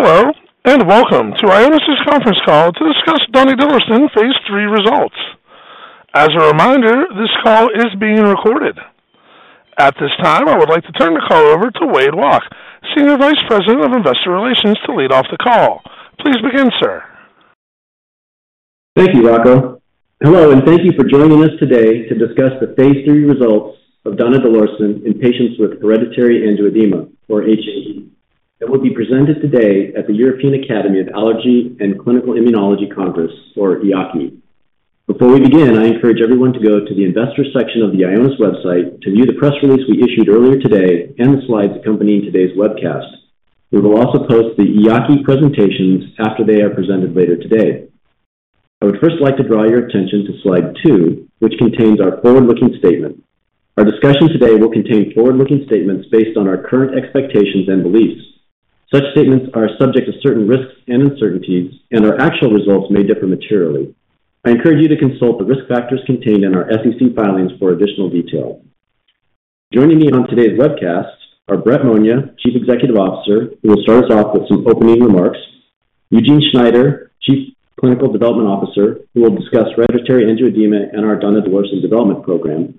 Hello, and welcome to Ionis' Conference Call to discuss donidalorsen phase III results. As a reminder, this call is being recorded. At this time, I would like to turn the call over to Wade Walke, Senior Vice President of Investor Relations, to lead off the call. Please begin, sir. Thank you, Rocco. Hello, and thank you for joining us today to discuss the phase III results of donidalorsen in patients with hereditary angioedema, or HAE, that will be presented today at the European Academy of Allergy and Clinical Immunology Congress, or EAACI. Before we begin, I encourage everyone to go to the investor section of the Ionis website to view the press release we issued earlier today and the slides accompanying today's webcast. We will also post the EAACI presentations after they are presented later today. I would first like to draw your attention to slide two, which contains our forward-looking statement. Our discussion today will contain forward-looking statements based on our current expectations and beliefs. Such statements are subject to certain risks and uncertainties, and our actual results may differ materially. I encourage you to consult the risk factors contained in our SEC filings for additional detail. Joining me on today's webcast are Brett Monia, Chief Executive Officer, who will start us off with some opening remarks. Eugene Schneider, Chief Clinical Development Officer, who will discuss hereditary angioedema and our donidalorsen development program.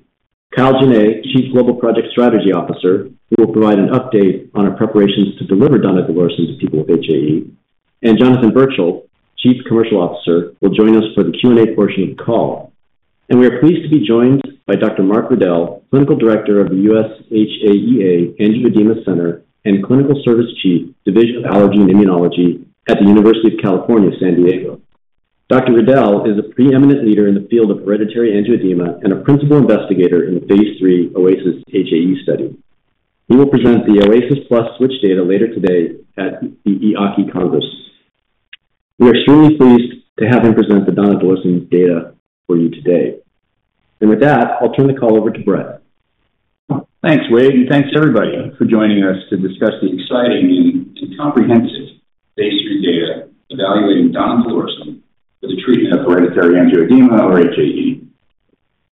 Kyle Jenne, Chief Global Project Strategy Officer, who will provide an update on our preparations to deliver donidalorsen to people with HAE. And Jonathan Birchall, Chief Commercial Officer, will join us for the Q&A portion of the call. And we are pleased to be joined by Dr. Marc Riedl, Clinical Director of the U.S. HAEA Angioedema Center and Clinical Service Chief, Division of Allergy and Immunology at the University of California, San Diego. Dr. Riedl is a preeminent leader in the field of hereditary angioedema and a principal investigator in the phase III OASIS-HAE study. He will present the OASIS+ Switch data later today at the EAACI Congress. We are extremely pleased to have him present the donidalorsen data for you today. With that, I'll turn the call over to Brett. Thanks, Wade, and thanks, everybody, for joining us to discuss the exciting and comprehensive phase III data evaluating donidalorsen for the treatment of hereditary angioedema, or HAE.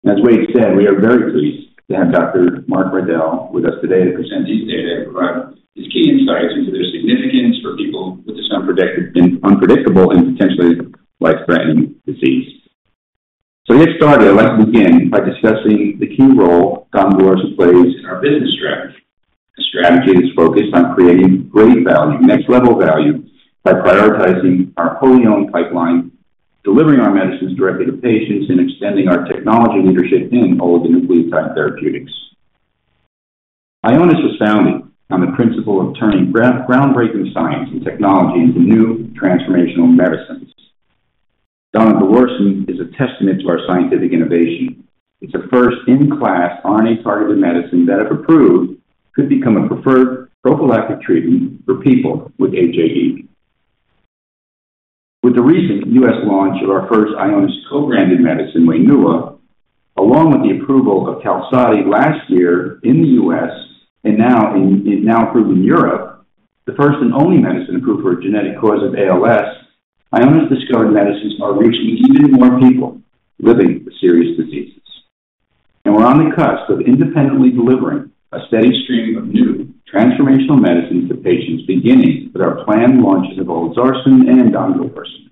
As Wade said, we are very pleased to have Dr. Marc Riedl with us today to present these data and provide his key insights into their significance for people with this unpredicted and unpredictable and potentially life-threatening disease. So to get started, I'd like to begin by discussing the key role donidalorsen plays in our business strategy. The strategy is focused on creating great value, next-level value, by prioritizing our wholly owned pipeline, delivering our medicines directly to patients, and extending our technology leadership in oligonucleotide therapeutics. Ionis was founded on the principle of turning ground, groundbreaking science and technology into new transformational medicines. Donidalorsen is a testament to our scientific innovation. It's a first-in-class RNA-targeted medicine that, if approved, could become a preferred prophylactic treatment for people with HAE. With the recent U.S. launch of our first Ionis co-branded medicine, WAINUA, along with the approval of QALSODY last year in the U.S. and now approved in Europe, the first and only medicine approved for a genetic cause of ALS, Ionis-discovered medicines are reaching even more people living with serious diseases. We're on the cusp of independently delivering a steady stream of new transformational medicines to patients, beginning with our planned launches of olezarsen and donidalorsen.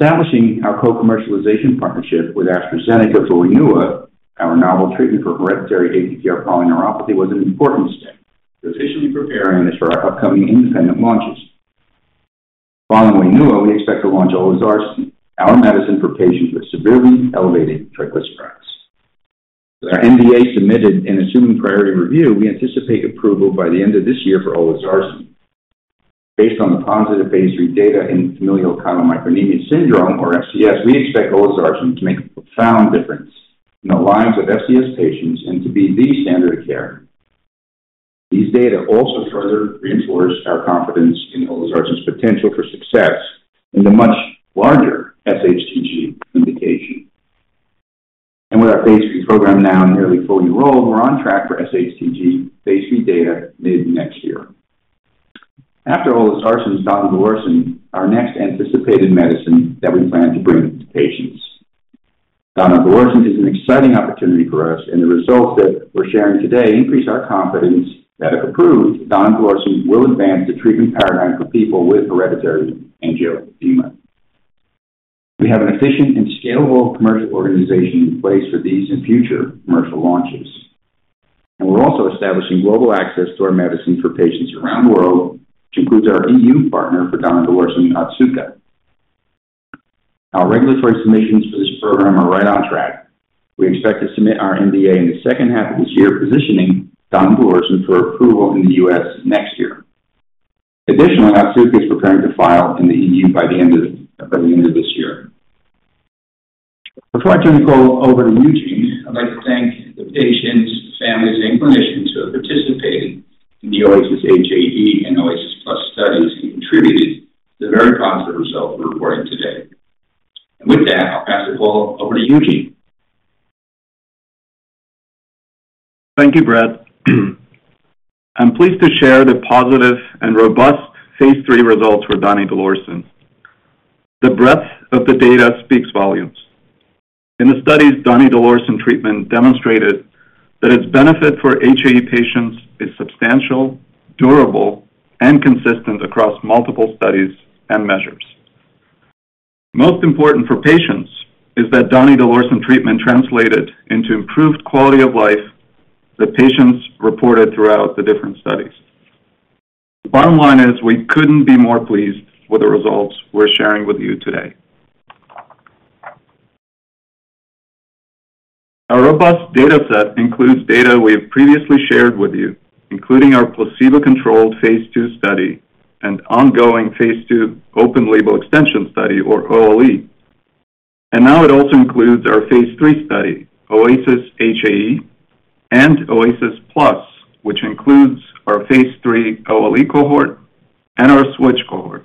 Establishing our co-commercialization partnership with AstraZeneca for WAINUA, our novel treatment for hereditary ATTR polyneuropathy, was an important step, positionally preparing us for our upcoming independent launches. Following WAINUA, we expect to launch olezarsen, our medicine for patients with severely elevated triglycerides. With our NDA submitted and assuming priority review, we anticipate approval by the end of this year for olezarsen. Based on the positive phase III data in familial chylomicronemia syndrome, or FCS, we expect olezarsen to make a profound difference in the lives of FCS patients and to be the standard of care. These data also further reinforce our confidence in olezarsen's potential for success in the much larger SHTG indication. With our phase III program now nearly fully enrolled, we're on track for SHTG phase III data late next year. After olezarsen is donidalorsen, our next anticipated medicine that we plan to bring to patients. Donidalorsen is an exciting opportunity for us, and the results that we're sharing today increase our confidence that, if approved, donidalorsen will advance the treatment paradigm for people with hereditary angioedema. We have an efficient and scalable commercial organization in place for these and future commercial launches, and we're also establishing global access to our medicine for patients around the world, which includes our EU partner for donidalorsen, Otsuka. Our regulatory submissions for this program are right on track. We expect to submit our NDA in the second half of this year, positioning donidalorsen for approval in the U.S. next year. Additionally, Otsuka is preparing to file in the EU by the end of this year. Before I turn the call over to Eugene, I'd like to thank the patients, families, and clinicians who have participated in the OASIS-HAE and OASIS+ studies and contributed the very positive results we're reporting today. And with that, I'll pass the call over to Eugene. Thank you, Brett. I'm pleased to share the positive and robust phase III results for donidalorsen. The breadth of the data speaks volumes. In the studies, donidalorsen treatment demonstrated that its benefit for HAE patients is substantial, durable, and consistent across multiple studies and measures. Most important for patients is that donidalorsen treatment translated into improved quality of life that patients reported throughout the different studies. The bottom line is we couldn't be more pleased with the results we're sharing with you today. Our robust data set includes data we have previously shared with you, including our placebo-controlled phase II study and ongoing phase II open label extension study or OLE. Now it also includes our phase III study, OASIS-HAE and OASIS+, which includes our phase III OLE cohort and our switch cohort.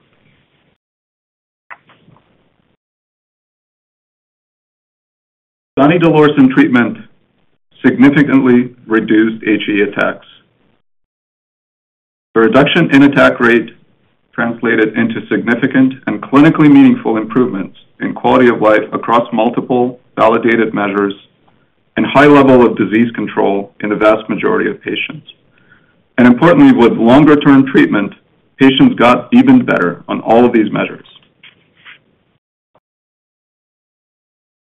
Donidalorsen treatment significantly reduced HAE attacks. The reduction in attack rate translated into significant and clinically meaningful improvements in quality of life across multiple validated measures and high level of disease control in the vast majority of patients. Importantly, with longer-term treatment, patients got even better on all of these measures.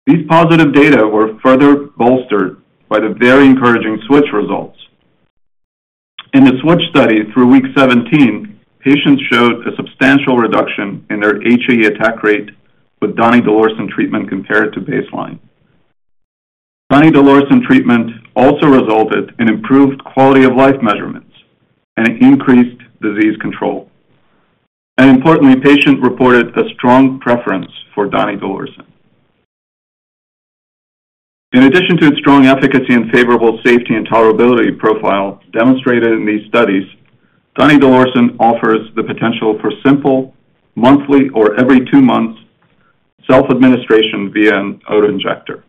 These positive data were further bolstered by the very encouraging switch results. In the switch study, through week 17, patients showed a substantial reduction in their HAE attack rate with donidalorsen treatment compared to baseline. Donidalorsen treatment also resulted in improved quality of life measurements and increased disease control. And importantly, patient reported a strong preference for donidalorsen. In addition to its strong efficacy and favorable safety and tolerability profile demonstrated in these studies, donidalorsen offers the potential for simple, monthly, or every two months self-administration via an autoinjector.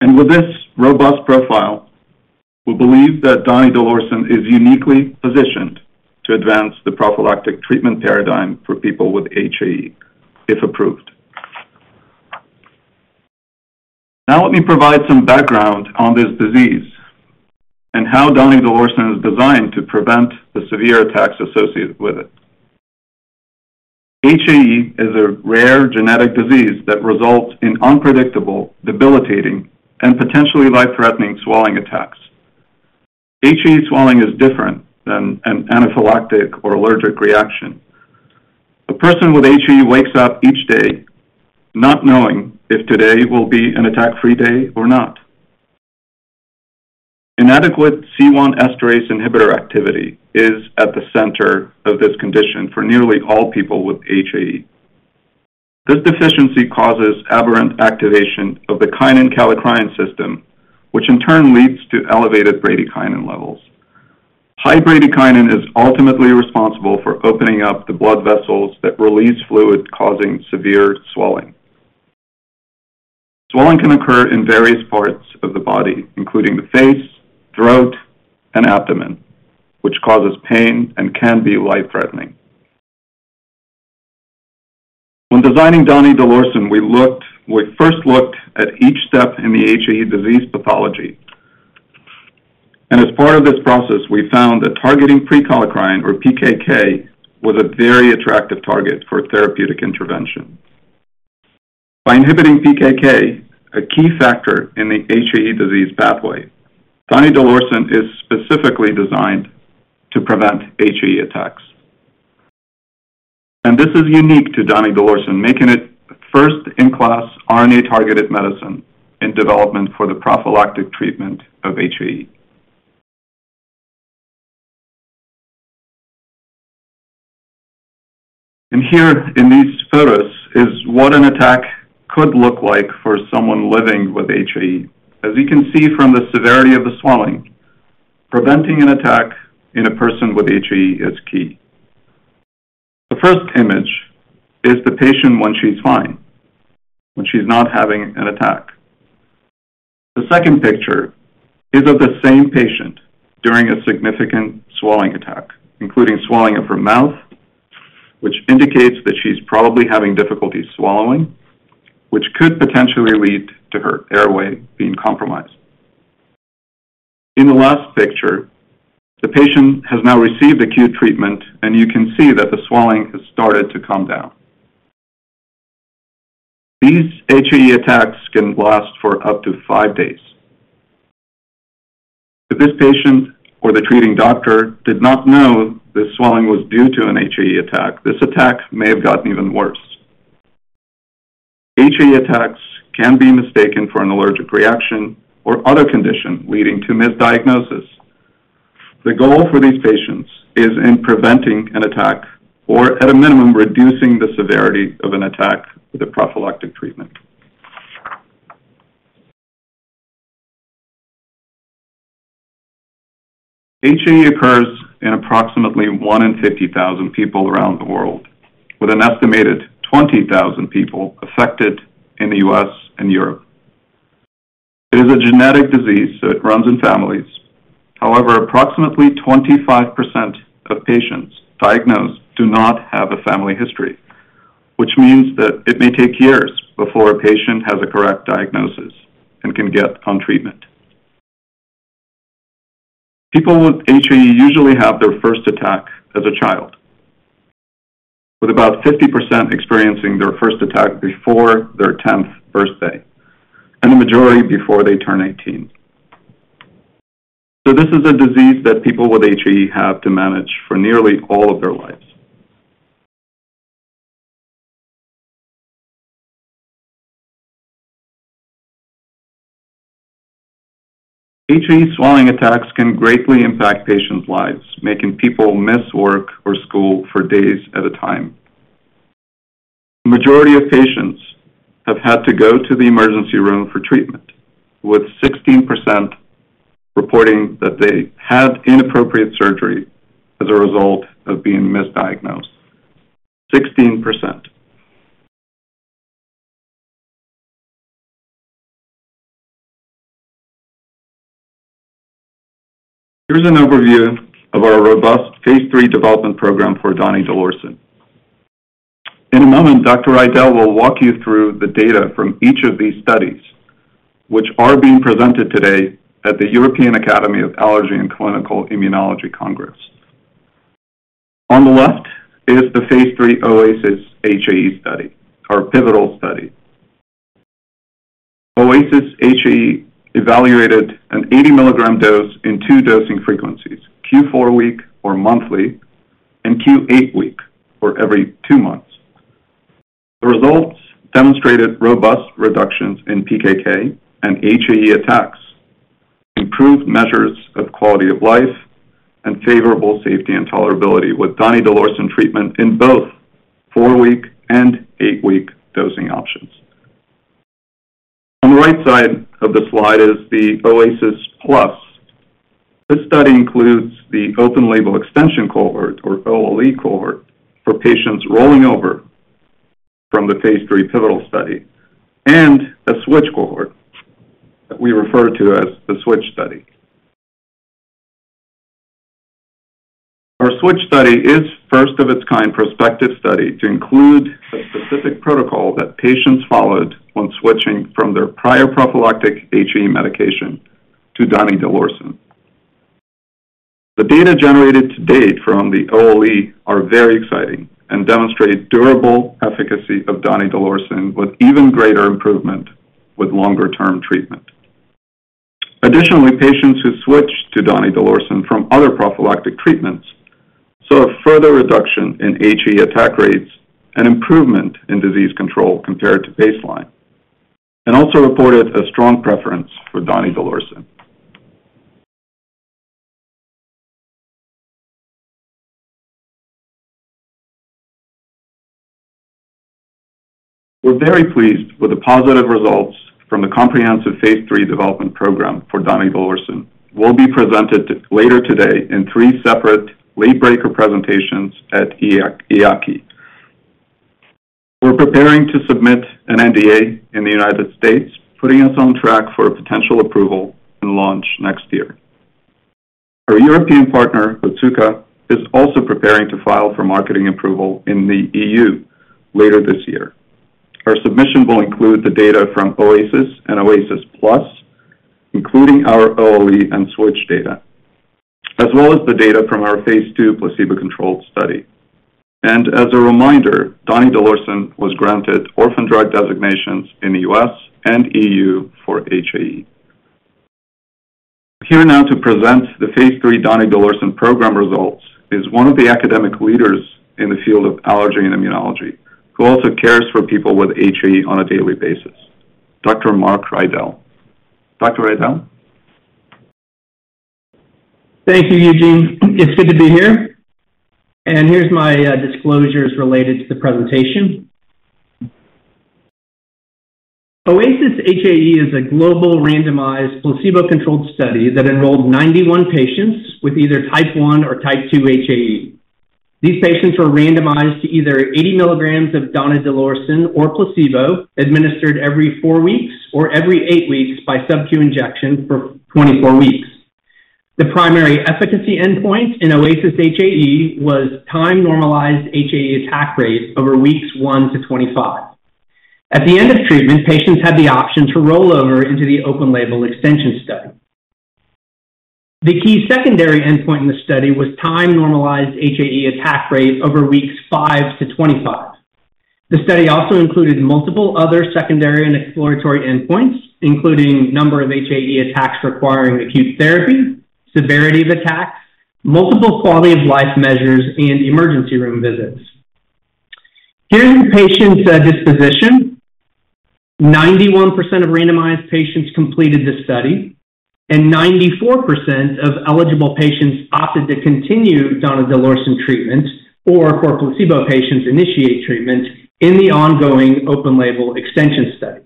And with this robust profile, we believe that donidalorsen is uniquely positioned to advance the prophylactic treatment paradigm for people with HAE, if approved. Now, let me provide some background on this disease and how donidalorsen is designed to prevent the severe attacks associated with it. HAE is a rare genetic disease that results in unpredictable, debilitating, and potentially life-threatening swelling attacks. HAE swelling is different than an anaphylactic or allergic reaction. A person with HAE wakes up each day not knowing if today will be an attack-free day or not. Inadequate C1 esterase inhibitor activity is at the center of this condition for nearly all people with HAE. This deficiency causes aberrant activation of the kinin kallikrein system, which in turn leads to elevated bradykinin levels. High bradykinin is ultimately responsible for opening up the blood vessels that release fluid, causing severe swelling. Swelling can occur in various parts of the body, including the face, throat, and abdomen, which causes pain and can be life-threatening. When designing donidalorsen, we first looked at each step in the HAE disease pathology, and as part of this process, we found that targeting prekallikrein or PKK was a very attractive target for therapeutic intervention. By inhibiting PKK, a key factor in the HAE disease pathway, donidalorsen is specifically designed to prevent HAE attacks, and this is unique to donidalorsen, making it first-in-class RNA-targeted medicine in development for the prophylactic treatment of HAE. Here in these photos is what an attack could look like for someone living with HAE. As you can see from the severity of the swelling, preventing an attack in a person with HAE is key. The first image is the patient when she's fine, when she's not having an attack. The second picture is of the same patient during a significant swelling attack, including swelling of her mouth, which indicates that she's probably having difficulty swallowing, which could potentially lead to her airway being compromised. In the last picture, the patient has now received acute treatment, and you can see that the swelling has started to come down. These HAE attacks can last for up to five days. If this patient or the treating doctor did not know the swelling was due to an HAE attack, this attack may have gotten even worse. HAE attacks can be mistaken for an allergic reaction or other condition leading to misdiagnosis. The goal for these patients is in preventing an attack or, at a minimum, reducing the severity of an attack with a prophylactic treatment. HAE occurs in approximately 1 in 50,000 people around the world, with an estimated 20,000 people affected in the U.S. and Europe. It is a genetic disease, so it runs in families. However, approximately 25% of patients diagnosed do not have a family history, which means that it may take years before a patient has a correct diagnosis and can get on treatment. People with HAE usually have their first attack as a child, with about 50% experiencing their first attack before their 10th birthday, and the majority before they turn 18. So this is a disease that people with HAE have to manage for nearly all of their lives. HAE swelling attacks can greatly impact patients' lives, making people miss work or school for days at a time. The majority of patients have had to go to the emergency room for treatment, with 16% reporting that they had inappropriate surgery as a result of being misdiagnosed. 16%! Here's an overview of our robust phase III development program for donidalorsen. In a moment, Dr. Riedl will walk you through the data from each of these studies, which are being presented today at the European Academy of Allergy and Clinical Immunology Congress. On the left is the phase III OASIS-HAE study, our pivotal study. OASIS-HAE evaluated an 80-milligram dose in two dosing frequencies: Q4-week or monthly, and Q8-week or every two months. The results demonstrated robust reductions in PKK and HAE attacks, improved measures of quality of life, and favorable safety and tolerability, with donidalorsen treatment in both 4-week and 8-week dosing options. On the right side of the slide is the OASIS+. This study includes the open label extension cohort, or OLE cohort, for patients rolling over from the phase III pivotal study and a switch cohort that we refer to as the switch study. Our switch study is first of its kind prospective study to include the specific protocol that patients followed when switching from their prior prophylactic HAE medication to donidalorsen. The data generated to date from the OLE are very exciting and demonstrate durable efficacy of donidalorsen, with even greater improvement with longer-term treatment. Additionally, patients who switched to donidalorsen from other prophylactic treatments saw a further reduction in HAE attack rates and improvement in disease control compared to baseline, and also reported a strong preference for donidalorsen. We're very pleased with the positive results from the comprehensive phase III development program for donidalorsen. [They] will be presented later today in three separate late breaker presentations at EAACI. We're preparing to submit an NDA in the United States, putting us on track for a potential approval and launch next year. Our European partner, Otsuka, is also preparing to file for marketing approval in the E.U. later this year. Our submission will include the data from OASIS and OASIS+, including our OLE and Switch data, as well as the data from our phase II placebo-controlled study. As a reminder, donidalorsen was granted orphan drug designations in the U.S. and E.U. for HAE. Here now to present the phase III donidalorsen program results is one of the academic leaders in the field of allergy and immunology, who also cares for people with HAE on a daily basis, Dr. Marc Riedl. Dr. Riedl? Thank you, Eugene. It's good to be here, and here's my disclosures related to the presentation. OASIS-HAE is a global randomized placebo-controlled study that enrolled 91 patients with either type 1 or type 2 HAE. These patients were randomized to either 80 milligrams of donidalorsen or placebo, administered every four weeks or every eight weeks by subQ injection for 24 weeks. The primary efficacy endpoint in OASIS-HAE was time-normalized HAE attack rate over weeks 1-25. At the end of treatment, patients had the option to roll over into the open-label extension study. The key secondary endpoint in the study was time-normalized HAE attack rate over weeks 5-25. The study also included multiple other secondary and exploratory endpoints, including number of HAE attacks requiring acute therapy, severity of attacks, multiple quality of life measures, and emergency room visits. Here's the patient's disposition. 91% of randomized patients completed this study, and 94% of eligible patients opted to continue donidalorsen treatment or, for placebo patients, initiate treatment in the ongoing open-label extension study.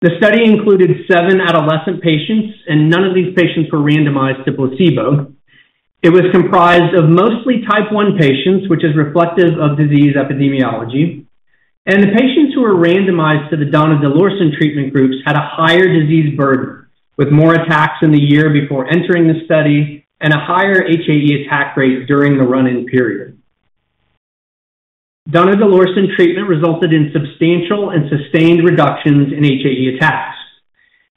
The study included seven adolescent patients, and none of these patients were randomized to placebo. It was comprised of mostly type 1 patients, which is reflective of disease epidemiology, and the patients who were randomized to the donidalorsen treatment groups had a higher disease burden, with more attacks in the year before entering the study and a higher HAE attack rate during the run-in period. Donidalorsen treatment resulted in substantial and sustained reductions in HAE attacks.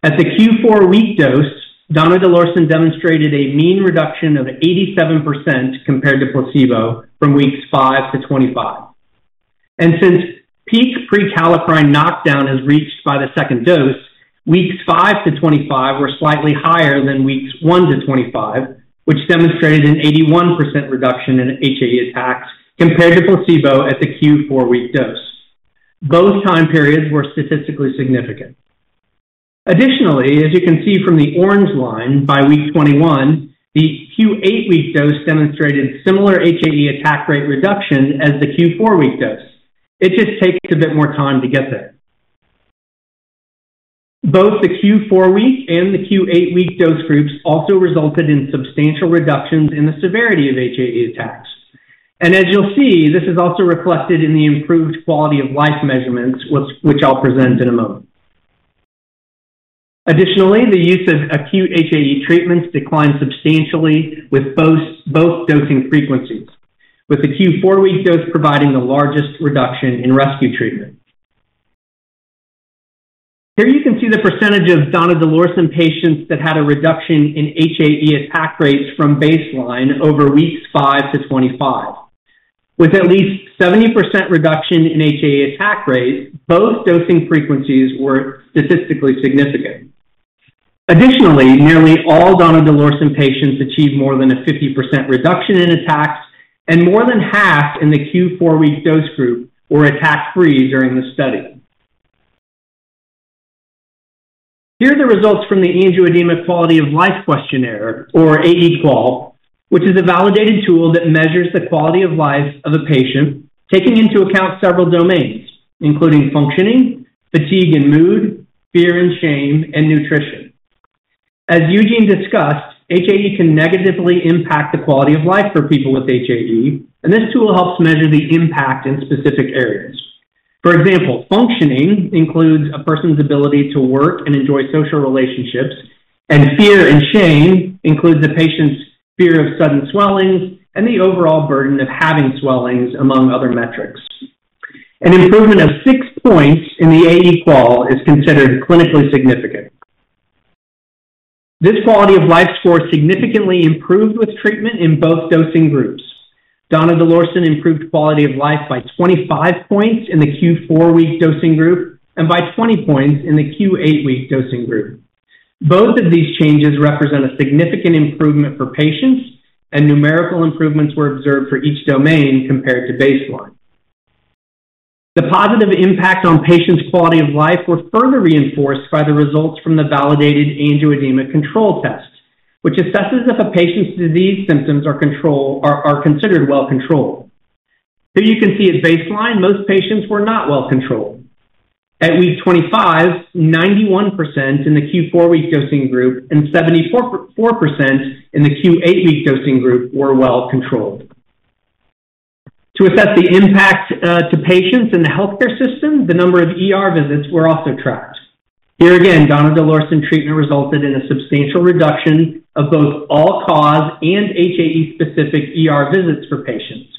At the Q4-week dose, donidalorsen demonstrated a mean reduction of 87% compared to placebo from weeks 5-25. And since peak prekallikrein knockdown is reached by the second dose, weeks 5-25 were slightly higher than weeks 1-25, which demonstrated an 81% reduction in HAE attacks compared to placebo at the Q4-week dose. Both time periods were statistically significant. Additionally, as you can see from the orange line, by week 21, the Q8 week dose demonstrated similar HAE attack rate reduction as the Q4-week dose. It just takes a bit more time to get there. Both the Q4-week and the Q8 week dose groups also resulted in substantial reductions in the severity of HAE attacks. And as you'll see, this is also reflected in the improved quality of life measurements, which I'll present in a moment. Additionally, the use of acute HAE treatments declined substantially with both dosing frequencies, with the Q4-week dose providing the largest reduction in rescue treatment. Here you can see the percentage of donidalorsen patients that had a reduction in HAE attack rates from baseline over weeks 5-25. With at least 70% reduction in HAE attack rate, both dosing frequencies were statistically significant. Additionally, nearly all donidalorsen patients achieved more than a 50% reduction in attacks, and more than half in the Q4-week dose group were attack-free during the study. Here are the results from the Angioedema Quality of Life questionnaire, or AE-QoL, which is a validated tool that measures the quality of life of a patient, taking into account several domains, including functioning, fatigue and mood, fear and shame, and nutrition. As Eugene discussed, HAE can negatively impact the quality of life for people with HAE, and this tool helps measure the impact in specific areas. For example, functioning includes a person's ability to work and enjoy social relationships, and fear and shame includes the patient's fear of sudden swelling and the overall burden of having swellings, among other metrics. An improvement of 6 points in the AE-QoL is considered clinically significant. This quality of life score significantly improved with treatment in both dosing groups. Donidalorsen improved quality of life by 25 points in the Q4-week dosing group and by 20 points in the Q8 week dosing group. Both of these changes represent a significant improvement for patients, and numerical improvements were observed for each domain compared to baseline. The positive impact on patients' quality of life was further reinforced by the results from the validated angioedema control test, which assesses if a patient's disease symptoms are controlled—are considered well controlled. So you can see at baseline, most patients were not well controlled. At week 25, 91% in the Q4-week dosing group and 74.4% in the Q8 week dosing group were well controlled. To assess the impact to patients in the healthcare system, the number of ER visits were also tracked. Here again, donidalorsen treatment resulted in a substantial reduction of both all-cause and HAE-specific ER visits for patients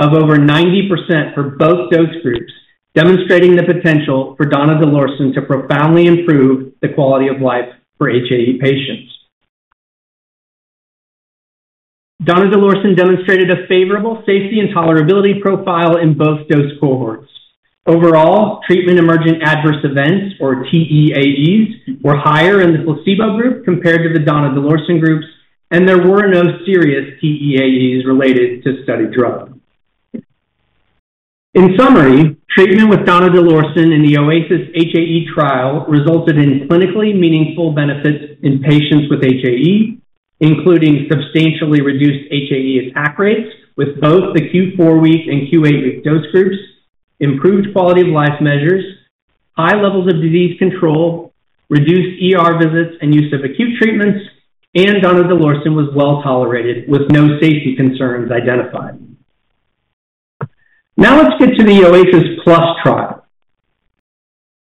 of over 90% for both dose groups, demonstrating the potential for donidalorsen to profoundly improve the quality of life for HAE patients. Donidalorsen demonstrated a favorable safety and tolerability profile in both dose cohorts. Overall, treatment-emergent adverse events, or TEAEs, were higher in the placebo group compared to the donidalorsen groups, and there were no serious TEAEs related to study drug. In summary, treatment with donidalorsen in the OASIS-HAE trial resulted in clinically meaningful benefits in patients with HAE, including substantially reduced HAE attack rates with both the Q4-week and Q8 week dose groups, improved quality of life measures, high levels of disease control, reduced ER visits and use of acute treatments, and donidalorsen was well tolerated with no safety concerns identified. Now let's get to the OASIS+ trial.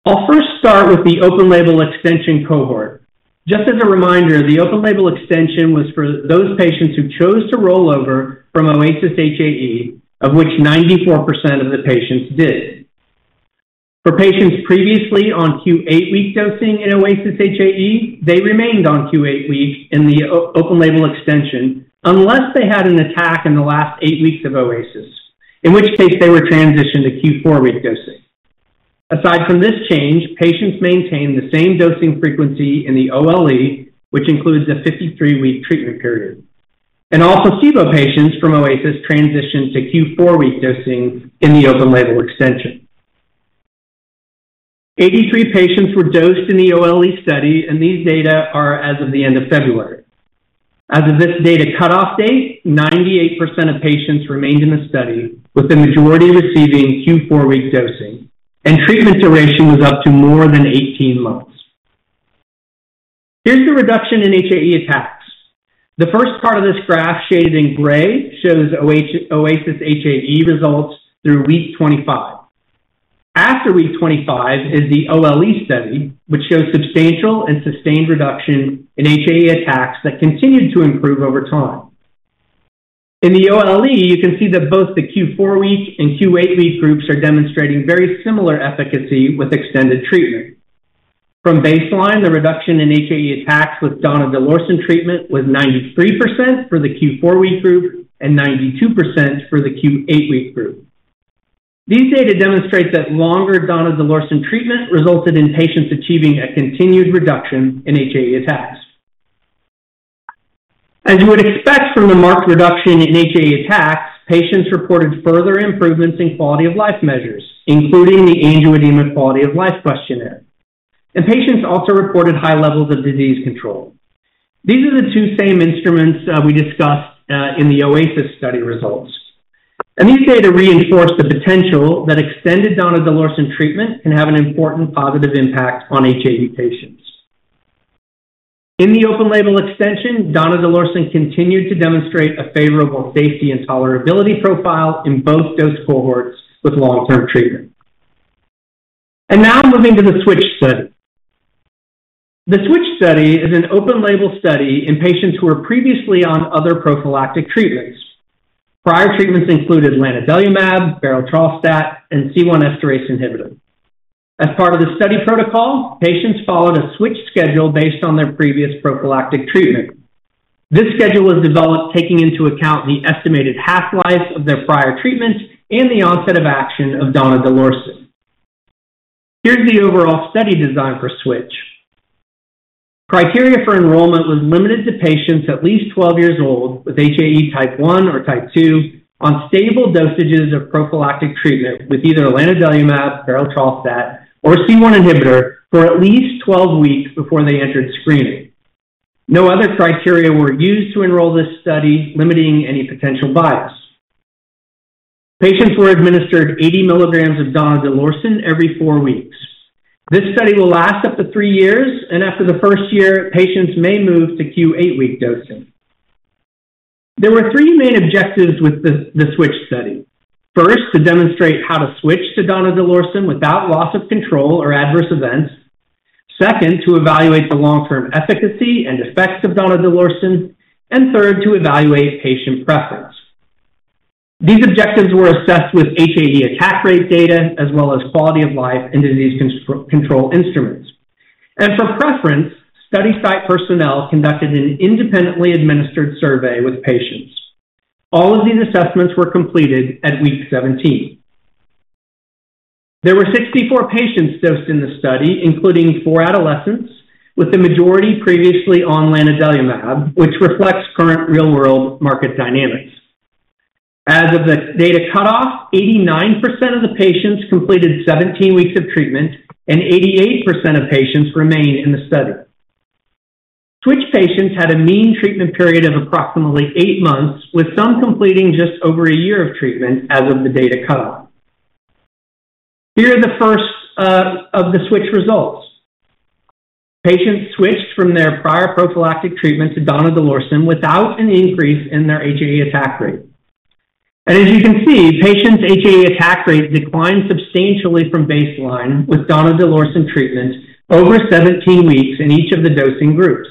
I'll first start with the open-label extension cohort. Just as a reminder, the open-label extension was for those patients who chose to roll over from OASIS-HAE, of which 94% of the patients did. For patients previously on Q8 week dosing in OASIS-HAE, they remained on Q8 week in the open-label extension, unless they had an attack in the last eight weeks of OASIS-HAE, in which case they were transitioned to Q4-week dosing. Aside from this change, patients maintained the same dosing frequency in the OLE, which includes a 53-week treatment period. All placebo patients from OASIS-HAE transitioned to Q4-week dosing in the open-label extension. 83 patients were dosed in the OLE study, and these data are as of the end of February. As of this data cutoff date, 98% of patients remained in the study, with the majority receiving Q4-week dosing, and treatment duration was up to more than 18 months.... Here's the reduction in HAE attacks. The first part of this graph, shaded in gray, shows OASIS-HAE results through week 25. After week 25 is the OLE study, which shows substantial and sustained reduction in HAE attacks that continued to improve over time. In the OLE, you can see that both the Q4week and Q8week groups are demonstrating very similar efficacy with extended treatment. From baseline, the reduction in HAE attacks with donidalorsen treatment was 93% for the Q4week group and 92% for the Q8week group. These data demonstrate that longer donidalorsen treatment resulted in patients achieving a continued reduction in HAE attacks. As you would expect from the marked reduction in HAE attacks, patients reported further improvements in quality of life measures, including the Angioedema Quality of Life questionnaire. Patients also reported high levels of disease control. These are the two same instruments we discussed in the OASIS study results. These data reinforce the potential that extended donidalorsen treatment can have an important positive impact on HAE patients. In the open label extension, donidalorsen continued to demonstrate a favorable safety and tolerability profile in both dose cohorts with long-term treatment. Now moving to the SWITCH study. The SWITCH study is an open label study in patients who were previously on other prophylactic treatments. Prior treatments included lanadelumab, berotralstat, and C1 esterase inhibitor. As part of the study protocol, patients followed a switch schedule based on their previous prophylactic treatment. This schedule was developed taking into account the estimated half-life of their prior treatments and the onset of action of donidalorsen. Here's the overall study design for SWITCH. Criteria for enrollment was limited to patients at least 12 years old with HAE type one or type two, on stable dosages of prophylactic treatment with either lanadelumab, berotralstat, or C1 inhibitor for at least 12 weeks before they entered screening. No other criteria were used to enroll this study, limiting any potential bias. Patients were administered 80 milligrams of donidalorsen every four weeks. This study will last up to three years, and after the first year, patients may move to Q8 week dosing. There were three main objectives with the SWITCH study. First, to demonstrate how to switch to donidalorsen without loss of control or adverse events. Second, to evaluate the long-term efficacy and effects of donidalorsen. And third, to evaluate patient preference. These objectives were assessed with HAE attack rate data, as well as quality of life and disease control instruments. For preference, study site personnel conducted an independently administered survey with patients. All of these assessments were completed at week 17. There were 64 patients dosed in the study, including four adolescents, with the majority previously on lanadelumab, which reflects current real-world market dynamics. As of the data cutoff, 89% of the patients completed 17 weeks of treatment, and 88% of patients remained in the study. SWITCH patients had a mean treatment period of approximately 8 months, with some completing just over a year of treatment as of the data cutoff. Here are the first of the SWITCH results. Patients switched from their prior prophylactic treatment to donidalorsen without an increase in their HAE attack rate. As you can see, patients' HAE attack rate declined substantially from baseline with donidalorsen treatment over 17 weeks in each of the dosing groups.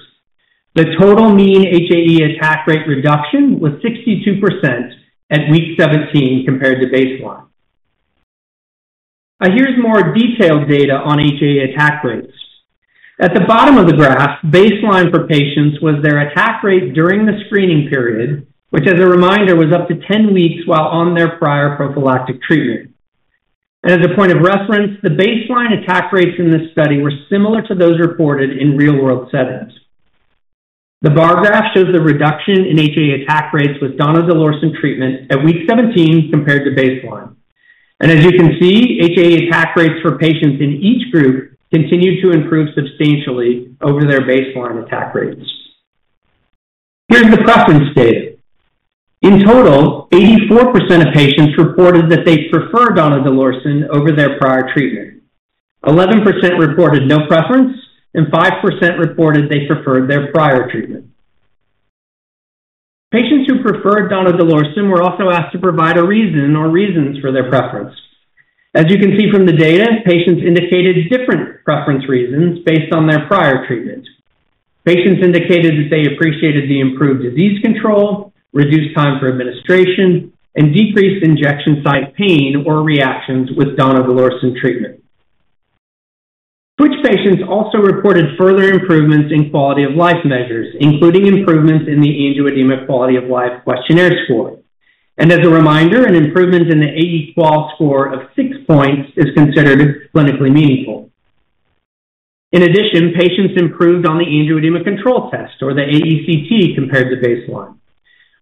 The total mean HAE attack rate reduction was 62% at week 17 compared to baseline. Now, here's more detailed data on HAE attack rates. At the bottom of the graph, baseline for patients was their attack rate during the screening period, which, as a reminder, was up to 10 weeks while on their prior prophylactic treatment. As a point of reference, the baseline attack rates in this study were similar to those reported in real-world settings. The bar graph shows the reduction in HAE attack rates with donidalorsen treatment at week 17 compared to baseline. As you can see, HAE attack rates for patients in each group continued to improve substantially over their baseline attack rates. Here's the preference data. In total, 84% of patients reported that they preferred donidalorsen over their prior treatment. 11% reported no preference, and 5% reported they preferred their prior treatment. Patients who preferred donidalorsen were also asked to provide a reason or reasons for their preference. As you can see from the data, patients indicated different preference reasons based on their prior treatment. Patients indicated that they appreciated the improved disease control, reduced time for administration, and decreased injection site pain or reactions with donidalorsen treatment. SWITCH patients also reported further improvements in quality of life measures, including improvements in the Angioedema Quality of Life questionnaire score. And as a reminder, an improvement in the AE-QoL score of six points is considered clinically meaningful. In addition, patients improved on the Angioedema Control Test, or the AECT, compared to baseline.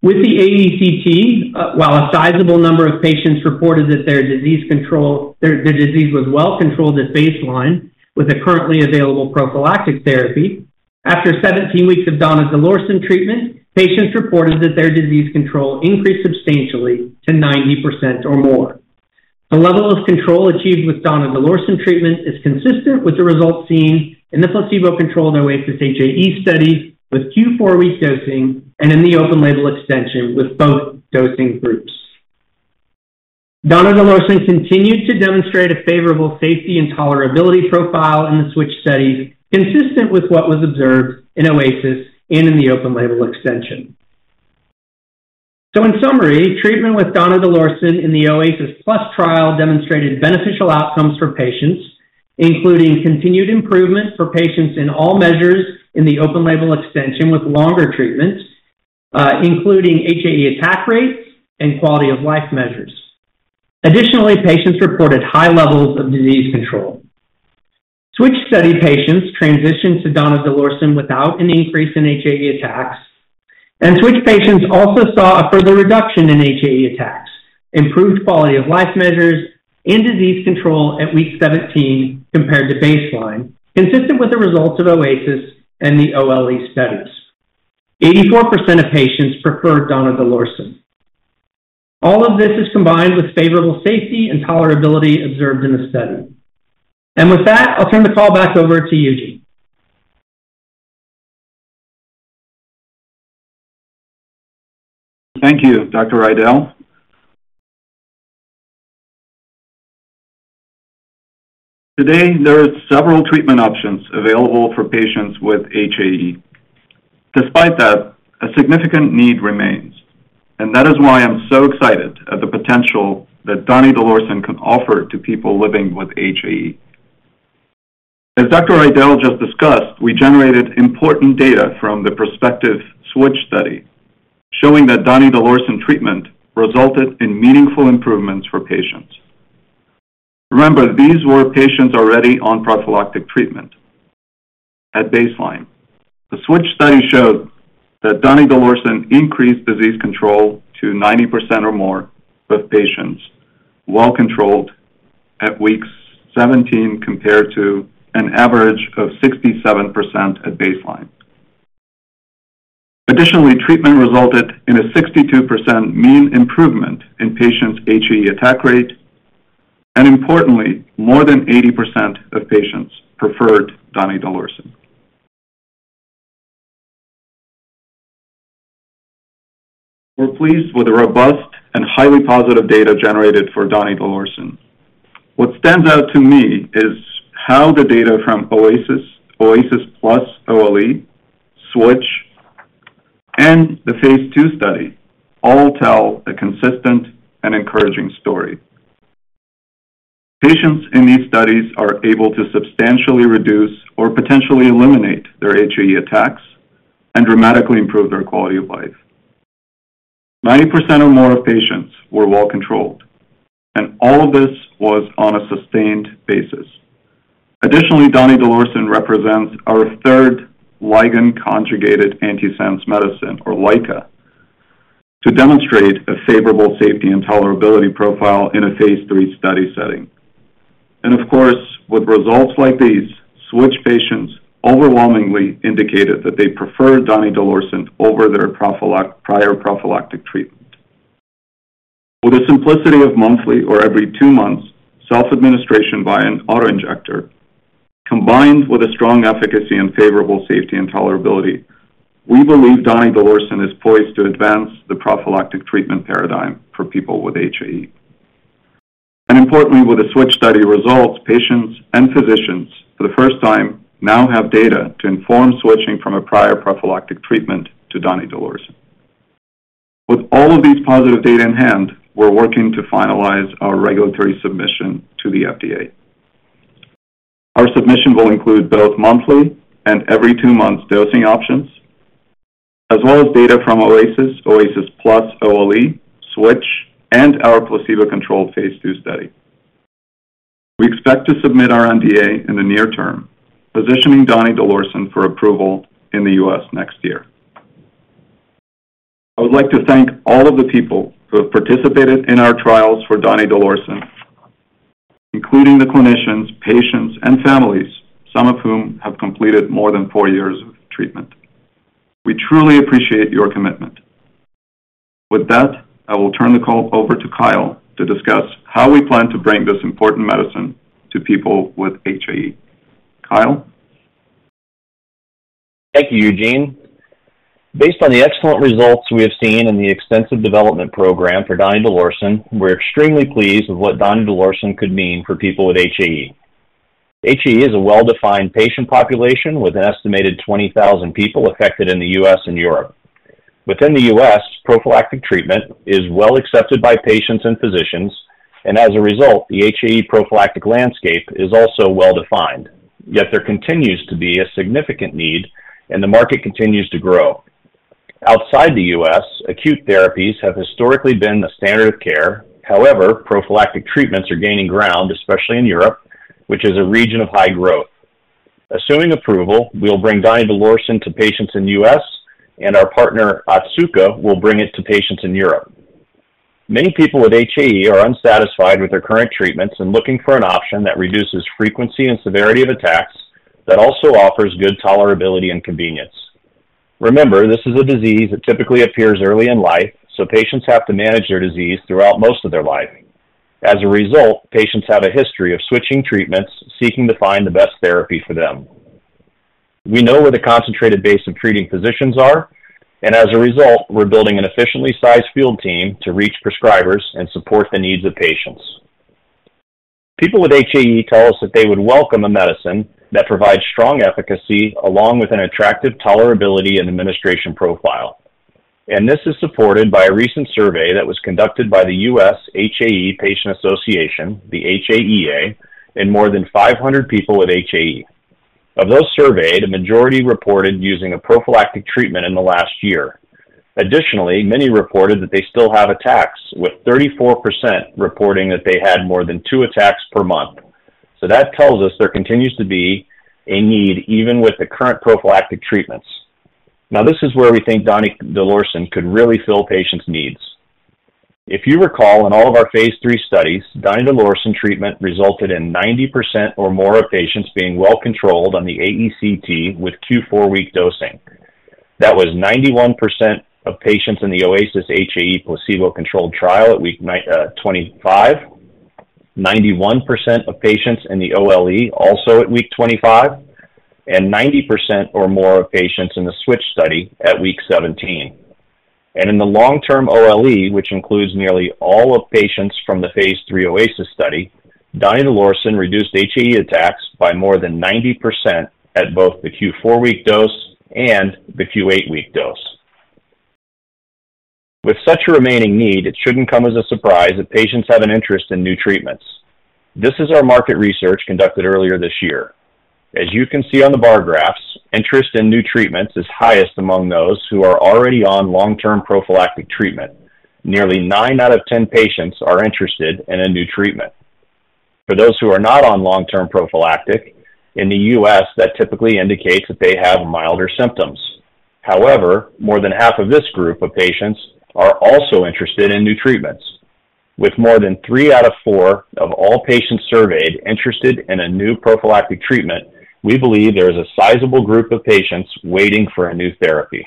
With the AECT, while a sizable number of patients reported that their disease control... Their disease was well controlled at baseline with a currently available prophylactic therapy. After 17 weeks of donidalorsen treatment, patients reported that their disease control increased substantially to 90% or more. The level of control achieved with donidalorsen treatment is consistent with the results seen in the placebo-controlled OASIS-HAE study, with Q4-week dosing and in the open-label extension with both dosing groups. Donidalorsen continued to demonstrate a favorable safety and tolerability profile in the SWITCH studies, consistent with what was observed in OASIS-HAE and in the open-label extension. So in summary, treatment with donidalorsen in the OASIS+ trial demonstrated beneficial outcomes for patients, including continued improvement for patients in all measures in the open-label extension with longer treatment, including HAE attack rates and quality of life measures. Additionally, patients reported high levels of disease control. SWITCH study patients transitioned to donidalorsen without an increase in HAE attacks, and SWITCH patients also saw a further reduction in HAE attacks, improved quality of life measures, and disease control at week 17 compared to baseline, consistent with the results of OASIS and the OLE studies. 84% of patients preferred donidalorsen. All of this is combined with favorable safety and tolerability observed in the study. And with that, I'll turn the call back over to Eugene. Thank you, Dr. Riedl. Today, there are several treatment options available for patients with HAE. Despite that, a significant need remains, and that is why I'm so excited at the potential that donidalorsen can offer to people living with HAE. As Dr. Riedl just discussed, we generated important data from the prospective SWITCH study, showing that donidalorsen treatment resulted in meaningful improvements for patients. Remember, these were patients already on prophylactic treatment at baseline. The SWITCH study showed that donidalorsen increased disease control to 90% or more, with patients well controlled at week 17, compared to an average of 67% at baseline. Additionally, treatment resulted in a 62% mean improvement in patients' HAE attack rate, and importantly, more than 80% of patients preferred donidalorsen. We're pleased with the robust and highly positive data generated for donidalorsen. What stands out to me is how the data from OASIS, OASIS+ OLE, SWITCH, and the phase II study all tell a consistent and encouraging story. Patients in these studies are able to substantially reduce or potentially eliminate their HAE attacks and dramatically improve their quality of life. 90% or more of patients were well controlled, and all of this was on a sustained basis. Additionally, donidalorsen represents our third ligand conjugated antisense medicine, or LICA, to demonstrate a favorable safety and tolerability profile in a phase III study setting. Of course, with results like these, SWITCH patients overwhelmingly indicated that they preferred donidalorsen over their prior prophylactic treatment. With the simplicity of monthly or every two months, self-administration by an auto-injector, combined with a strong efficacy and favorable safety and tolerability, we believe donidalorsen is poised to advance the prophylactic treatment paradigm for people with HAE. Importantly, with the SWITCH study results, patients and physicians, for the first time, now have data to inform switching from a prior prophylactic treatment to donidalorsen. With all of these positive data in hand, we're working to finalize our regulatory submission to the FDA. Our submission will include both monthly and every two months dosing options, as well as data from OASIS, OASIS+ OLE, SWITCH, and our placebo-controlled phase II study. We expect to submit our NDA in the near term, positioning donidalorsen for approval in the U.S. next year. I would like to thank all of the people who have participated in our trials for donidalorsen, including the clinicians, patients, and families, some of whom have completed more than four years of treatment. We truly appreciate your commitment. With that, I will turn the call over to Kyle to discuss how we plan to bring this important medicine to people with HAE. Kyle? Thank you, Eugene. Based on the excellent results we have seen in the extensive development program for donidalorsen, we're extremely pleased with what donidalorsen could mean for people with HAE. HAE is a well-defined patient population with an estimated 20,000 people affected in the U.S. and Europe. Within the U.S., prophylactic treatment is well accepted by patients and physicians, and as a result, the HAE prophylactic landscape is also well defined. Yet there continues to be a significant need, and the market continues to grow. Outside the U.S., acute therapies have historically been the standard of care. However, prophylactic treatments are gaining ground, especially in Europe, which is a region of high growth. Assuming approval, we'll bring donidalorsen to patients in the U.S., and our partner, Otsuka, will bring it to patients in Europe. Many people with HAE are unsatisfied with their current treatments and looking for an option that reduces frequency and severity of attacks, that also offers good tolerability and convenience. Remember, this is a disease that typically appears early in life, so patients have to manage their disease throughout most of their lives. As a result, patients have a history of switching treatments, seeking to find the best therapy for them. We know where the concentrated base of treating physicians are, and as a result, we're building an efficiently sized field team to reach prescribers and support the needs of patients. People with HAE tell us that they would welcome a medicine that provides strong efficacy along with an attractive tolerability and administration profile. And this is supported by a recent survey that was conducted by the U.S. Hereditary Angioedema Association, the HAEA, in more than 500 people with HAE. Of those surveyed, a majority reported using a prophylactic treatment in the last year. Additionally, many reported that they still have attacks, with 34% reporting that they had more than two attacks per month. So that tells us there continues to be a need, even with the current prophylactic treatments. Now, this is where we think donidalorsen could really fill patients' needs. If you recall, in all of our phase III studies, donidalorsen treatment resulted in 90% or more of patients being well controlled on the AECT with Q4-week dosing. That was 91% of patients in the OASIS-HAE placebo-controlled trial at week 9-week 25, 91% of patients in the OLE, also at week 25, and 90% or more of patients in the switch study at week 17. In the long-term OLE, which includes nearly all of patients from the phase III OASIS study, donidalorsen reduced HAE attacks by more than 90% at both the Q4-week dose and the Q8-week dose. With such a remaining need, it shouldn't come as a surprise that patients have an interest in new treatments. This is our market research conducted earlier this year. As you can see on the bar graphs, interest in new treatments is highest among those who are already on long-term prophylactic treatment. Nearly 9 out of 10 patients are interested in a new treatment. For those who are not on long-term prophylactic, in the U.S., that typically indicates that they have milder symptoms. However, more than half of this group of patients are also interested in new treatments. With more than three out of four of all patients surveyed interested in a new prophylactic treatment, we believe there is a sizable group of patients waiting for a new therapy.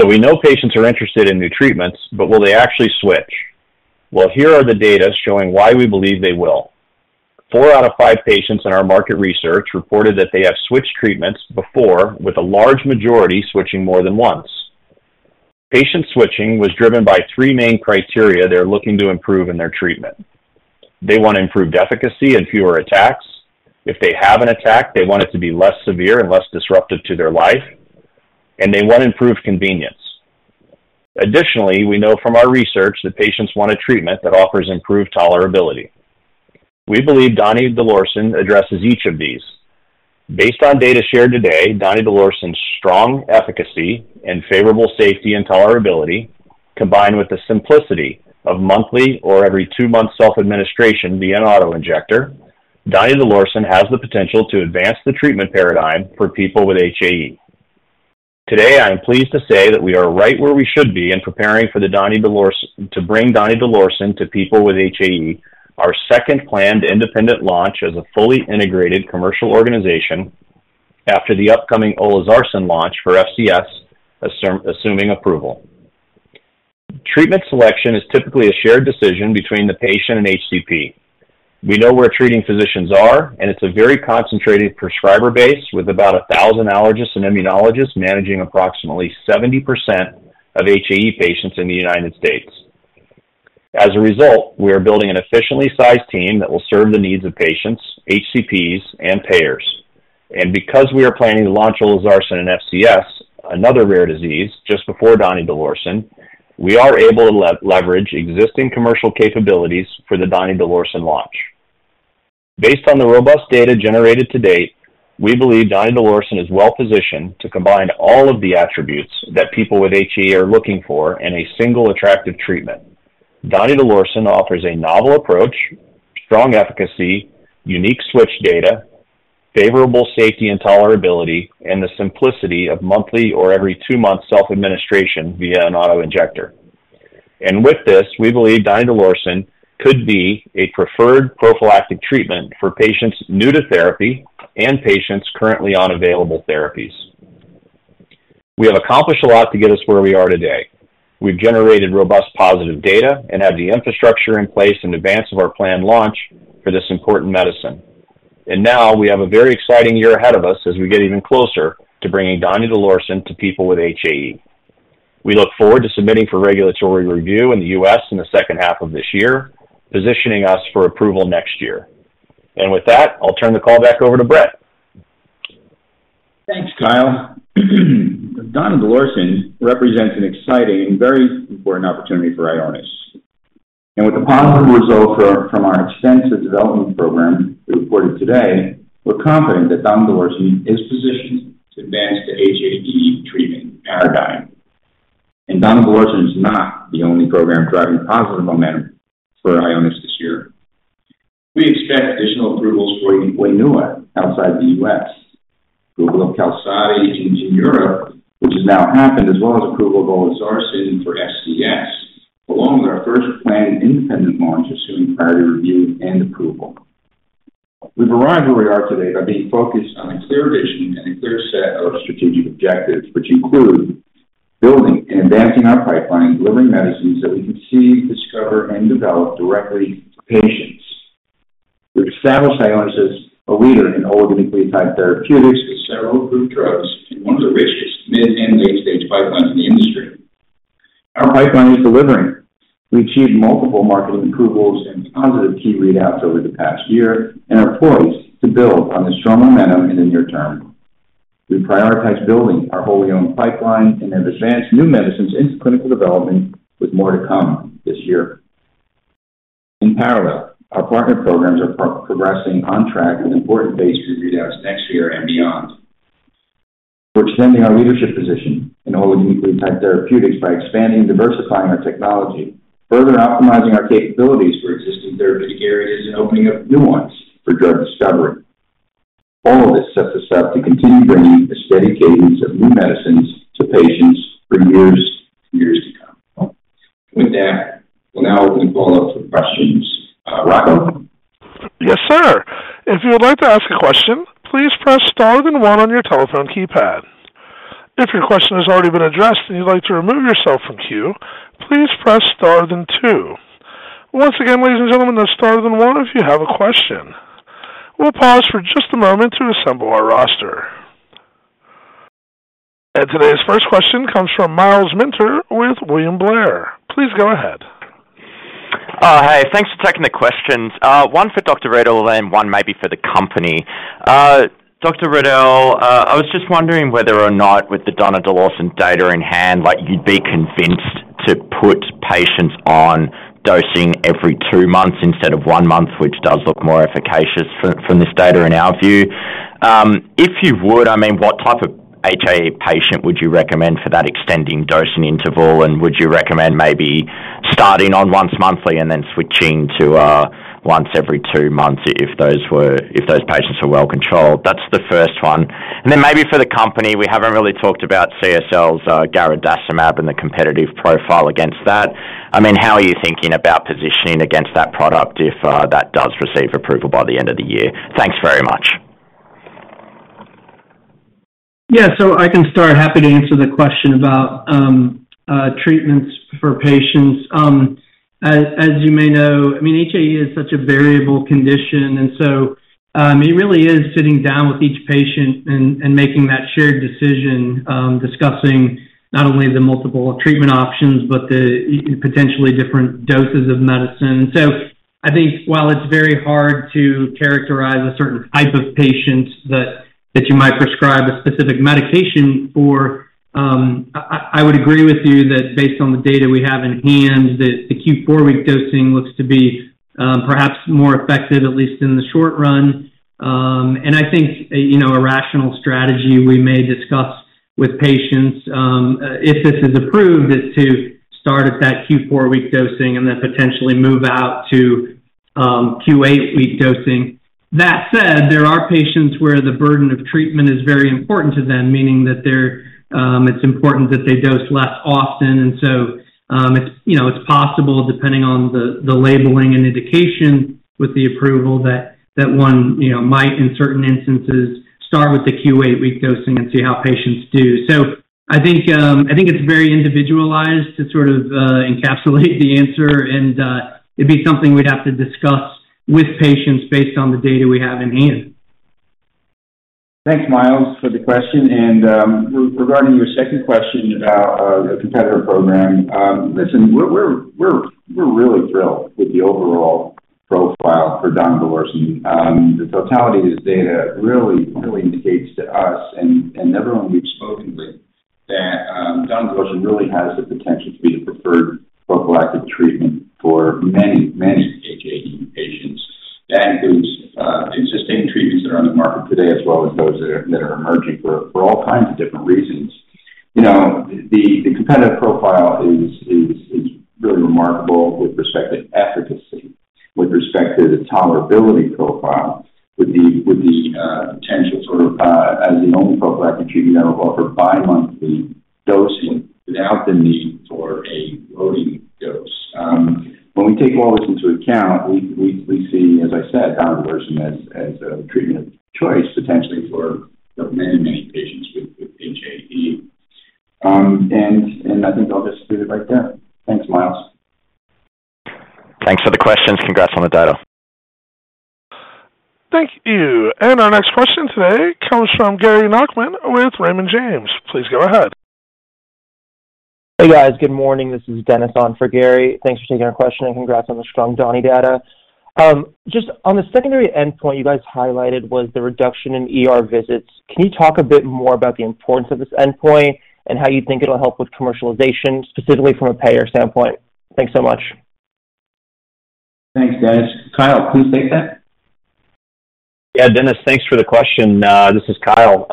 So we know patients are interested in new treatments, but will they actually switch? Well, here are the data showing why we believe they will. four out of five patients in our market research reported that they have switched treatments before, with a large majority switching more than once. Patient switching was driven by three main criteria they're looking to improve in their treatment. They want improved efficacy and fewer attacks. If they have an attack, they want it to be less severe and less disruptive to their life, and they want improved convenience. Additionally, we know from our research that patients want a treatment that offers improved tolerability. We believe donidalorsen addresses each of these. Based on data shared today, donidalorsen's strong efficacy and favorable safety and tolerability, combined with the simplicity of monthly or every two-month self-administration via an auto-injector, donidalorsen has the potential to advance the treatment paradigm for people with HAE. Today, I am pleased to say that we are right where we should be in preparing for donidalorsen to bring to people with HAE, our second planned independent launch as a fully integrated commercial organization after the upcoming olezarsen launch for FCS, assuming approval. Treatment selection is typically a shared decision between the patient and HCP. We know where treating physicians are, and it's a very concentrated prescriber base, with about 1,000 allergists and immunologists managing approximately 70% of HAE patients in the United States. As a result, we are building an efficiently sized team that will serve the needs of patients, HCPs, and payers. And because we are planning to launch olezarsen in FCS, another rare disease, just before donidalorsen, we are able to leverage existing commercial capabilities for the donidalorsen launch. Based on the robust data generated to date, we believe donidalorsen is well-positioned to combine all of the attributes that people with HAE are looking for in a single attractive treatment. Donidalorsen offers a novel approach, strong efficacy, unique switch data, favorable safety and tolerability, and the simplicity of monthly or every two-month self-administration via an auto-injector. And with this, we believe donidalorsen could be a preferred prophylactic treatment for patients new to therapy and patients currently on available therapies. We have accomplished a lot to get us where we are today. We've generated robust, positive data and have the infrastructure in place in advance of our planned launch for this important medicine. Now we have a very exciting year ahead of us as we get even closer to bringing donidalorsen to people with HAE. We look forward to submitting for regulatory review in the U.S. in the second half of this year, positioning us for approval next year. With that, I'll turn the call back over to Brett. Thanks, Kyle. Donidalorsen represents an exciting and very important opportunity for Ionis. With the positive results from our extensive development program we reported today, we're confident that donidalorsen is positioned to advance the HAE treatment paradigm. Donidalorsen is not the only program driving positive momentum for Ionis this year. We expect additional approvals for WAINUA outside the U.S., approval of QALSODY in Europe, which has now happened, as well as approval of olezarsen for FCS, along with our first planned independent launch, assuming priority review and approval. We've arrived where we are today by being focused on a clear vision and a clear set of strategic objectives, which include building and advancing our pipeline, delivering medicines that we conceive, discover, and develop directly to patients. Which establish Ionis as a leader in oligonucleotide therapeutics with several approved drugs and one of the richest mid- and late-stage pipelines in the industry. Our pipeline is delivering. We achieved multiple marketing approvals and positive key readouts over the past year and are poised to build on this strong momentum in the near term. We've prioritized building our wholly owned pipeline and have advanced new medicines into clinical development, with more to come this year. In parallel, our partner programs are progressing on track with important phase III readouts next year and beyond. We're extending our leadership position in oligonucleotide therapeutics by expanding and diversifying our technology, further optimizing our capabilities for existing therapeutic areas, and opening up new ones for drug discovery. All of this sets us up to continue bringing a steady cadence of new medicines to patients for years and years to come. With that, we'll now open the call up for questions. Rocco? Yes, sir. If you would like to ask a question, please press star then one on your telephone keypad. If your question has already been addressed and you'd like to remove yourself from queue, please press star then two. Once again, ladies and gentlemen, that's star then one if you have a question. We'll pause for just a moment to assemble our roster. Today's first question comes from Myles Minter with William Blair. Please go ahead. Hi, thanks for taking the questions. One for Dr. Riedl and one maybe for the company. Dr. Riedl, I was just wondering whether or not with the donidalorsen data in hand, like, you'd be convinced to put patients on dosing every two months instead of one month, which does look more efficacious from this data, in our view. If you would, I mean, what type of HA patient would you recommend for that extending dosing interval? And would you recommend maybe starting on once monthly and then switching to once every two months if those patients were well controlled? That's the first one. And then maybe for the company, we haven't really talked about CSL's garadacimab and the competitive profile against that. I mean, how are you thinking about positioning against that product if that does receive approval by the end of the year? Thanks very much. Yeah, so I can start. Happy to answer the question about treatments for patients. As you may know, I mean, HAE is such a variable condition, and so it really is sitting down with each patient and making that shared decision, discussing not only the multiple treatment options, but the potentially different doses of medicine. So I think while it's very hard to characterize a certain type of patient that you might prescribe a specific medication for, I would agree with you that based on the data we have in hand, that the Q four-week dosing looks to be perhaps more effective, at least in the short run. And I think, you know, a rational strategy we may discuss with patients, if this is approved, is to start at that Q 4-week dosing and then potentially move out to Q8-week dosing. That said, there are patients where the burden of treatment is very important to them, meaning that they're... it's important that they dose less often. And so, it's, you know, it's possible, depending on the labeling and indication with the approval, that one, you know, might, in certain instances, start with the Q8-week dosing and see how patients do. So I think, I think it's very individualized to sort of encapsulate the answer, and it'd be something we'd have to discuss with patients based on the data we have in hand. Thanks, Myles, for the question. Regarding your second question about the competitor program, listen, we're really thrilled with the overall profile for donidalorsen. The totality of this data really, really indicates to us, and everyone we've spoken with, that donidalorsen really has the potential to be the preferred prophylactic treatment for many, many HAE patients and whose existing treatments that are on the market today, as well as those that are emerging for all kinds of different reasons. You know, the competitive profile is really remarkable with respect to efficacy, with respect to the tolerability profile, with the potential for as the only prophylactic treatment on board for bimonthly dosing without the need for a loading dose. When we take all this into account, we see, as I said, donidalorsen as a treatment of choice, potentially for many patients with HAE. I think I'll just leave it right there. Thanks, Myles. Thanks for the questions. Congrats on the data. Thank you. Our next question today comes from Gary Nachman with Raymond James. Please go ahead. Hey, guys. Good morning. This is Dennis on for Gary. Thanks for taking our question, and congrats on the strong donidalorsen data. Just on the secondary endpoint you guys highlighted was the reduction in ER visits. Can you talk a bit more about the importance of this endpoint and how you think it'll help with commercialization, specifically from a payer standpoint? Thanks so much. Thanks, Dennis. Kyle, please take that. Yeah, Dennis, thanks for the question. This is Kyle.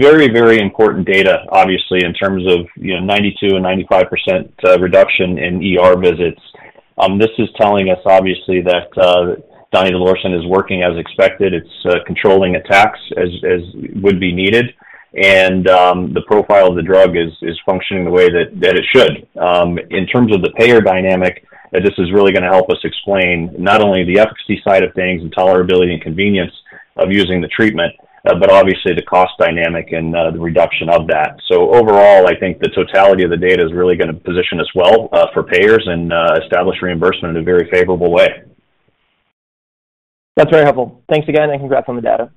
Very, very important data, obviously, in terms of, you know, 92% and 95% reduction in ER visits.... this is telling us obviously that, donidalorsen is working as expected. It's, controlling attacks as, as would be needed, and, the profile of the drug is, is functioning the way that, that it should. In terms of the payer dynamic, this is really going to help us explain not only the efficacy side of things and tolerability and convenience of using the treatment, but obviously the cost dynamic and, the reduction of that. So overall, I think the totality of the data is really going to position us well, for payers and, establish reimbursement in a very favorable way. That's very helpful. Thanks again, and congrats on the data.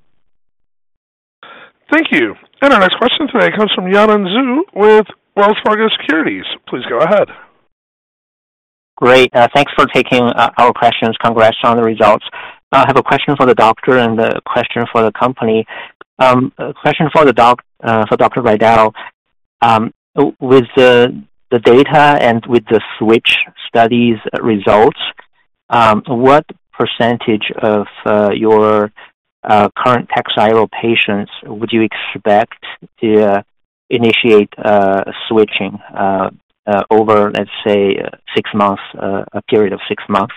Thank you. Our next question today comes from Yanan Zhu with Wells Fargo Securities. Please go ahead. Great. Thanks for taking our questions. Congrats on the results. I have a question for the doctor and a question for the company. A question for the doc, for Dr. Riedl. With the data and with the switch studies results, what percentage of your current Takhzyro patients would you expect to initiate switching over, let's say, six months, a period of six months?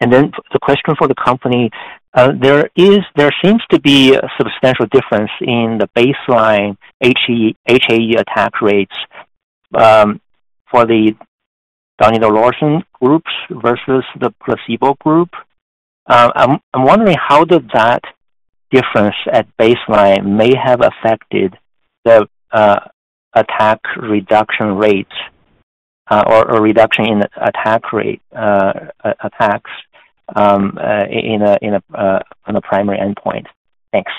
And then the question for the company, there seems to be a substantial difference in the baseline HAE attack rates for the donidalorsen groups versus the placebo group. I'm wondering, how did that difference at baseline may have affected the attack reduction rates, or reduction in attack rate, attacks, in a, in a, on a primary endpoint? Thanks.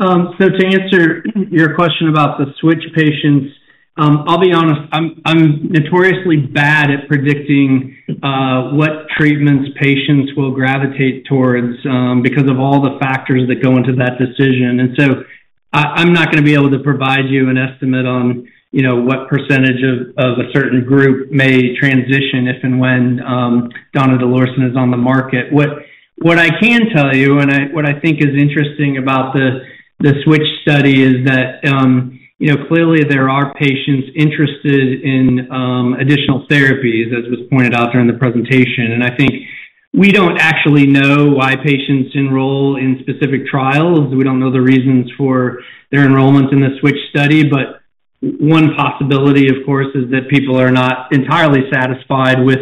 So to answer your question about the switch patients, I'll be honest, I'm notoriously bad at predicting what treatments patients will gravitate towards because of all the factors that go into that decision. And so I'm not going to be able to provide you an estimate on, you know, what percentage of a certain group may transition if and when donidalorsen is on the market. What I can tell you, what I think is interesting about the switch study is that, you know, clearly there are patients interested in additional therapies, as was pointed out during the presentation. And I think we don't actually know why patients enroll in specific trials. We don't know the reasons for their enrollment in the switch study. But one possibility, of course, is that people are not entirely satisfied with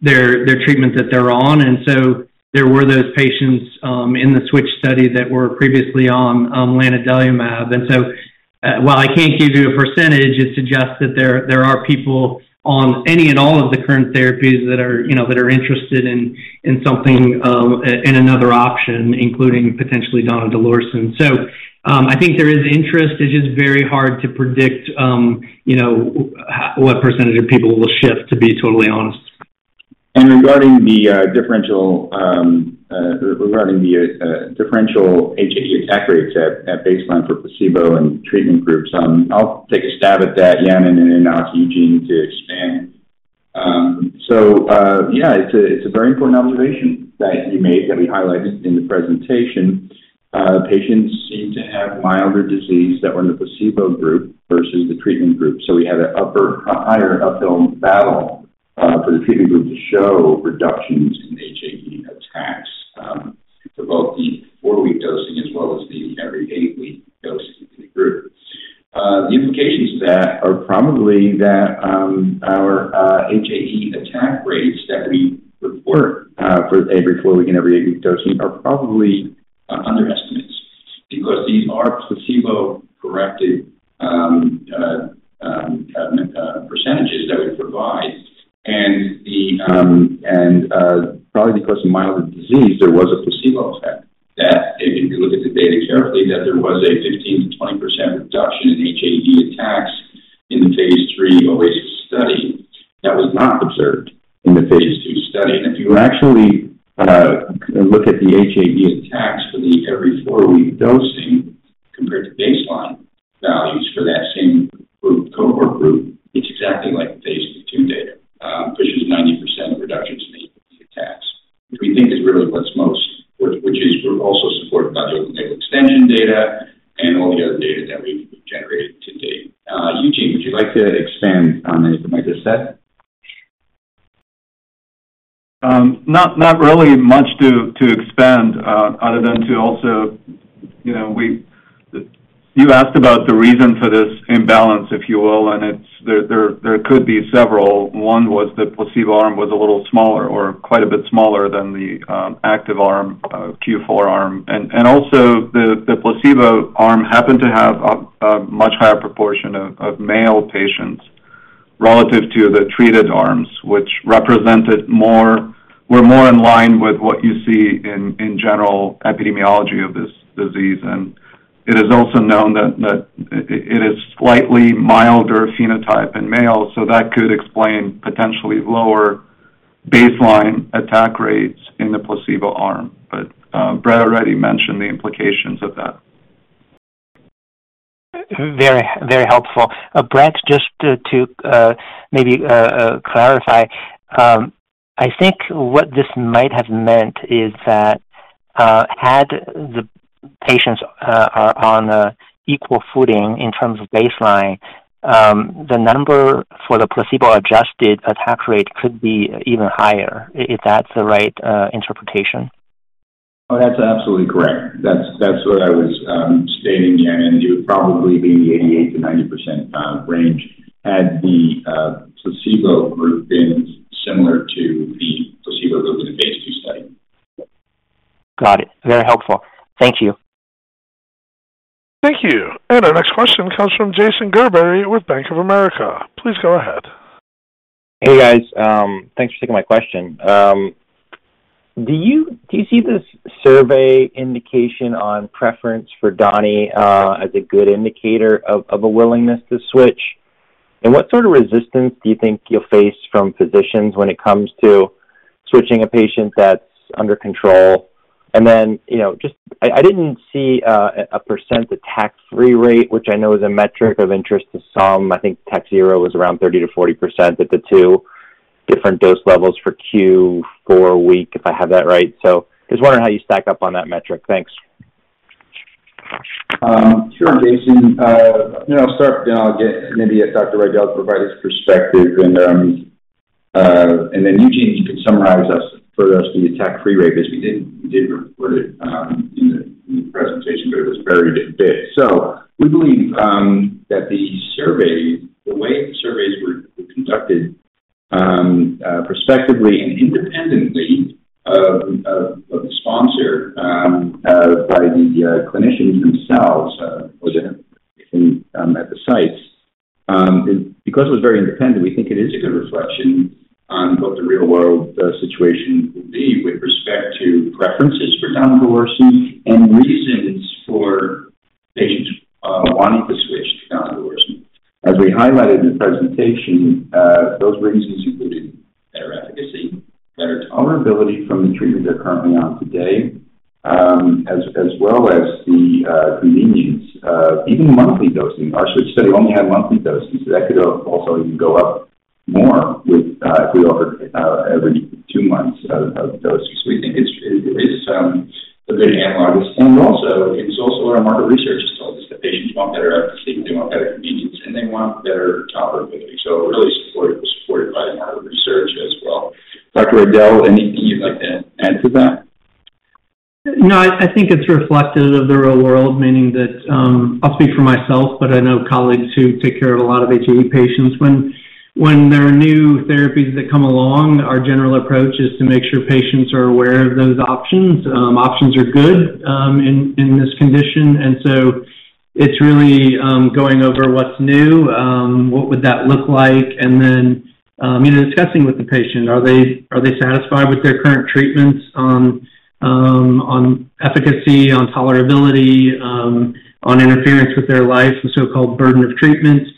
their treatment that they're on. And so there were those patients in the switch study that were previously on lanadelumab. And so, while I can't give you a percentage, it suggests that there are people on any and all of the current therapies that are, you know, that are interested in something and another option, including potentially donidalorsen. So, I think there is interest. It's just very hard to predict, you know, what percentage of people will shift, to be totally honest. Regarding the differential HAE attack rates at baseline for placebo and treatment groups, I'll take a stab at that, Yanan, and then ask Eugene to expand. So, yeah, it's a very important observation that you made, that we highlighted in the presentation. Patients seem to have milder disease that were in the placebo group versus the treatment group. So we had a higher uphill battle for the treatment group to show reductions in HAE attacks for both the four-week dosing as well as the every eight-week dosing group. The implications of that are probably that our HAE attack rates that we report for every four-week and every eight-week dosing are probably underestimates because these are placebo-corrected percentages that we provide. Probably because of milder disease, there was a placebo effect. That if you look at the data carefully, that there was a 15%-20% reduction in HAE attacks in the phase III OASIS study that was not observed in the phase II study. And if you actually look at the HAE attacks for the every four-week dosing compared to baseline values for that same group, cohort group, it's exactly like the phase II data, which is 90% reduction in HAE attacks, which we think is really what's most... Which, which is we're also supported by the open-label extension data and all the other data that we've generated to date. Eugene, would you like to expand on anything I just said? Not really much to expand other than to also, you know, you asked about the reason for this imbalance, if you will, and it's there. There could be several. One was the placebo arm was a little smaller or quite a bit smaller than the active arm, Q4 arm. And also the placebo arm happened to have a much higher proportion of male patients relative to the treated arms, which were more in line with what you see in general epidemiology of this disease. And it is also known that it is slightly milder phenotype in males, so that could explain potentially lower baseline attack rates in the placebo arm. But Brett already mentioned the implications of that. Very, very helpful. Brett, just to maybe clarify, I think what this might have meant is that, had the-... patients are on equal footing in terms of baseline, the number for the placebo adjusted attack rate could be even higher, if that's the right interpretation? Oh, that's absolutely correct. That's, that's what I was stating, Yan, and it would probably be the 88%-90% range, had the placebo group been similar to the placebo group in the phase II study. Got it. Very helpful. Thank you. Thank you. And our next question comes from Jason Gerberry with Bank of America. Please go ahead. Hey, guys. Thanks for taking my question. Do you see this survey indication on preference for Donny as a good indicator of a willingness to switch? And what sort of resistance do you think you'll face from physicians when it comes to switching a patient that's under control? And then, you know, just I didn't see a percent attack free rate, which I know is a metric of interest to some. I think Takhzyro was around 30%-40% at the two different dose levels for Q4-week, if I have that right. So just wondering how you stack up on that metric. Thanks. Sure, Jason. You know, I'll start, and I'll get maybe a Dr. Riedl to provide his perspective. And then, Eugene, you can summarize us, for us the attack-free rate, because we didn't, we didn't report it in the presentation, but it was buried a bit. So we believe that the survey, the way the surveys were conducted prospectively and independently of the sponsor by the clinicians themselves or at the sites. Because it was very independent, we think it is a good reflection on what the real-world situation would be with respect to preferences for donidalorsen and reasons for patients wanting to switch to donidalorsen. As we highlighted in the presentation, those reasons included better efficacy, better tolerability from the treatment they're currently on today, as well as the convenience, even monthly dosing. Our SWITCH study only had monthly dosing, so that could also even go up more with if we offer every two months of doses. We think it is a good analog. And also, it's also what our market research has told us, that patients want better efficacy, they want better convenience, and they want better tolerability. So really supported by the market research as well. Dr. Riedl, anything you'd like to add to that? No, I think it's reflective of the real world, meaning that, I'll speak for myself, but I know colleagues who take care of a lot of HAE patients. When there are new therapies that come along, our general approach is to make sure patients are aware of those options. Options are good, in this condition, and so it's really going over what's new, what would that look like? And then, you know, discussing with the patient, are they satisfied with their current treatments, on efficacy, on tolerability, on interference with their life, the so-called burden of treatments.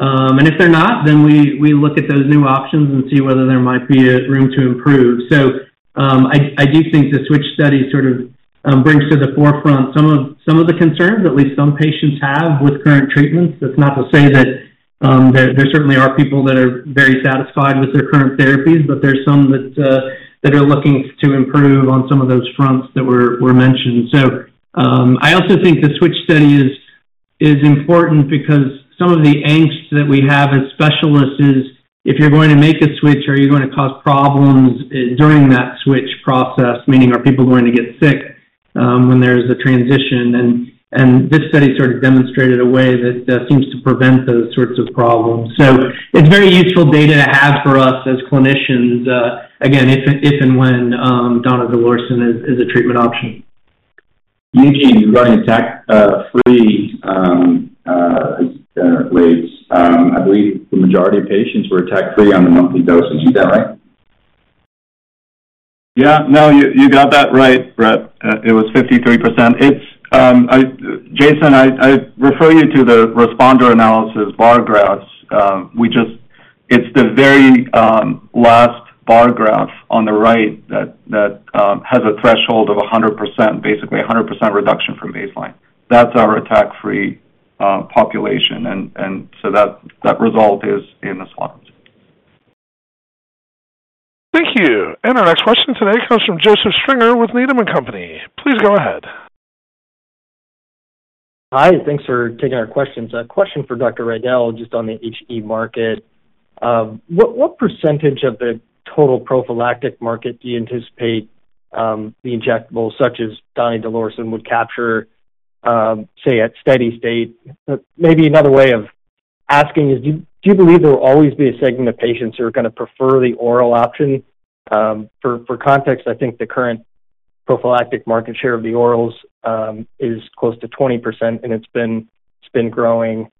And if they're not, then we look at those new options and see whether there might be room to improve. So, I do think the switch study sort of brings to the forefront some of the concerns at least some patients have with current treatments. That's not to say that, there certainly are people that are very satisfied with their current therapies, but there's some that that are looking to improve on some of those fronts that were mentioned. So, I also think the switch study is important because some of the angst that we have as specialists is if you're going to make a switch, are you going to cause problems during that switch process? Meaning, are people going to get sick when there's a transition? And this study sort of demonstrated a way that seems to prevent those sorts of problems. So it's very useful data to have for us as clinicians, again, if and when donidalorsen is a treatment option. Eugene, regarding attack-free rates, I believe the majority of patients were attack-free on the monthly dosage. Is that right? Yeah. No, you, you got that right, Brett. It was 53%. It's, Jason, I refer you to the responder analysis bar graphs. We just- it's the very last bar graph on the right that has a threshold of 100%, basically 100% reduction from baseline. That's our attack free population. And so that result is in the slides. Thank you. Our next question today comes from Joseph Stringer with Needham & Company. Please go ahead. Hi, thanks for taking our questions. A question for Dr. Riedl, just on the HAE market. What, what percentage of the total prophylactic market do you anticipate, the injectables such as donidalorsen would capture, say, at steady state? Maybe another way of asking is, do, do you believe there will always be a segment of patients who are gonna prefer the oral option? For, for context, I think the current prophylactic market share of the orals, is close to 20%, and it's been, it's been growing.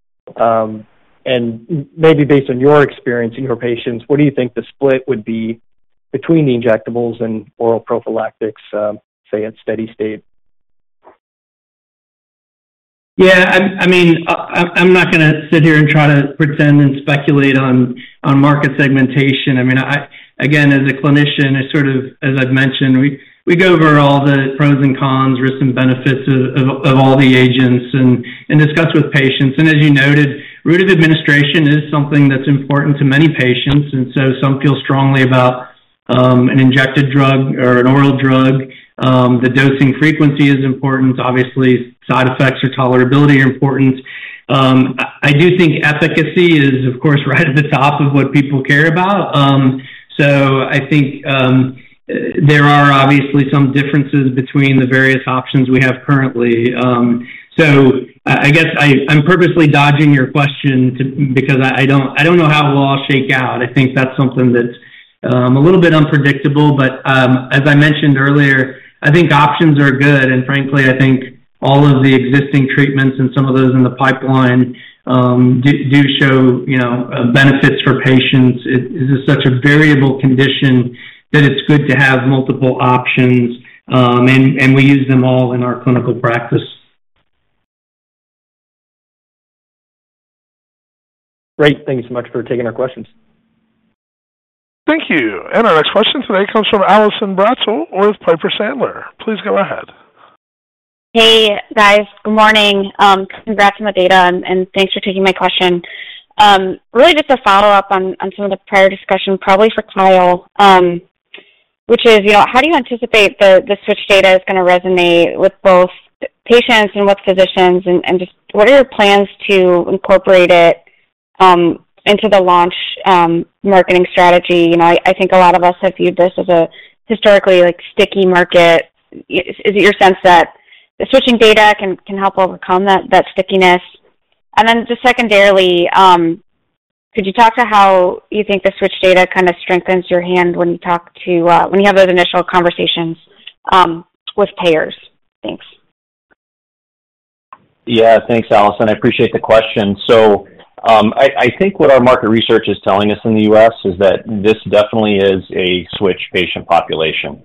Maybe based on your experience in your patients, what do you think the split would be between the injectables and oral prophylactics, say, at steady state? Yeah, I mean, I'm not gonna sit here and try to pretend and speculate on market segmentation. I mean, again, as a clinician, I sort of, as I've mentioned, we go over all the pros and cons, risks and benefits of all the agents and discuss with patients. And as you noted, route of administration is something that's important to many patients, and so some feel strongly about-... an injected drug or an oral drug. The dosing frequency is important. Obviously, side effects or tolerability are important. I do think efficacy is, of course, right at the top of what people care about. So I think there are obviously some differences between the various options we have currently. So I guess I'm purposely dodging your question because I don't know how it will all shake out. I think that's something that's a little bit unpredictable, but as I mentioned earlier, I think options are good, and frankly, I think all of the existing treatments and some of those in the pipeline do show, you know, benefits for patients. It is such a variable condition that it's good to have multiple options, and we use them all in our clinical practice. Great. Thank you so much for taking our questions. Thank you. And our next question today comes from Allison Bratzel with Piper Sandler. Please go ahead. Hey, guys. Good morning. Congrats on the data, and thanks for taking my question. Really just a follow-up on some of the prior discussion, probably for Kyle, which is, you know, how do you anticipate the Switch data is gonna resonate with both patients and with physicians, and just what are your plans to incorporate it into the launch marketing strategy? You know, I think a lot of us have viewed this as a historically, like, sticky market. Is it your sense that the switching data can help overcome that stickiness? And then just secondarily, could you talk to how you think the Switch data kind of strengthens your hand when you talk to when you have those initial conversations with payers? Thanks. Yeah, thanks, Allison. I appreciate the question. So, I think what our market research is telling us in the U.S. is that this definitely is a SWITCH patient population.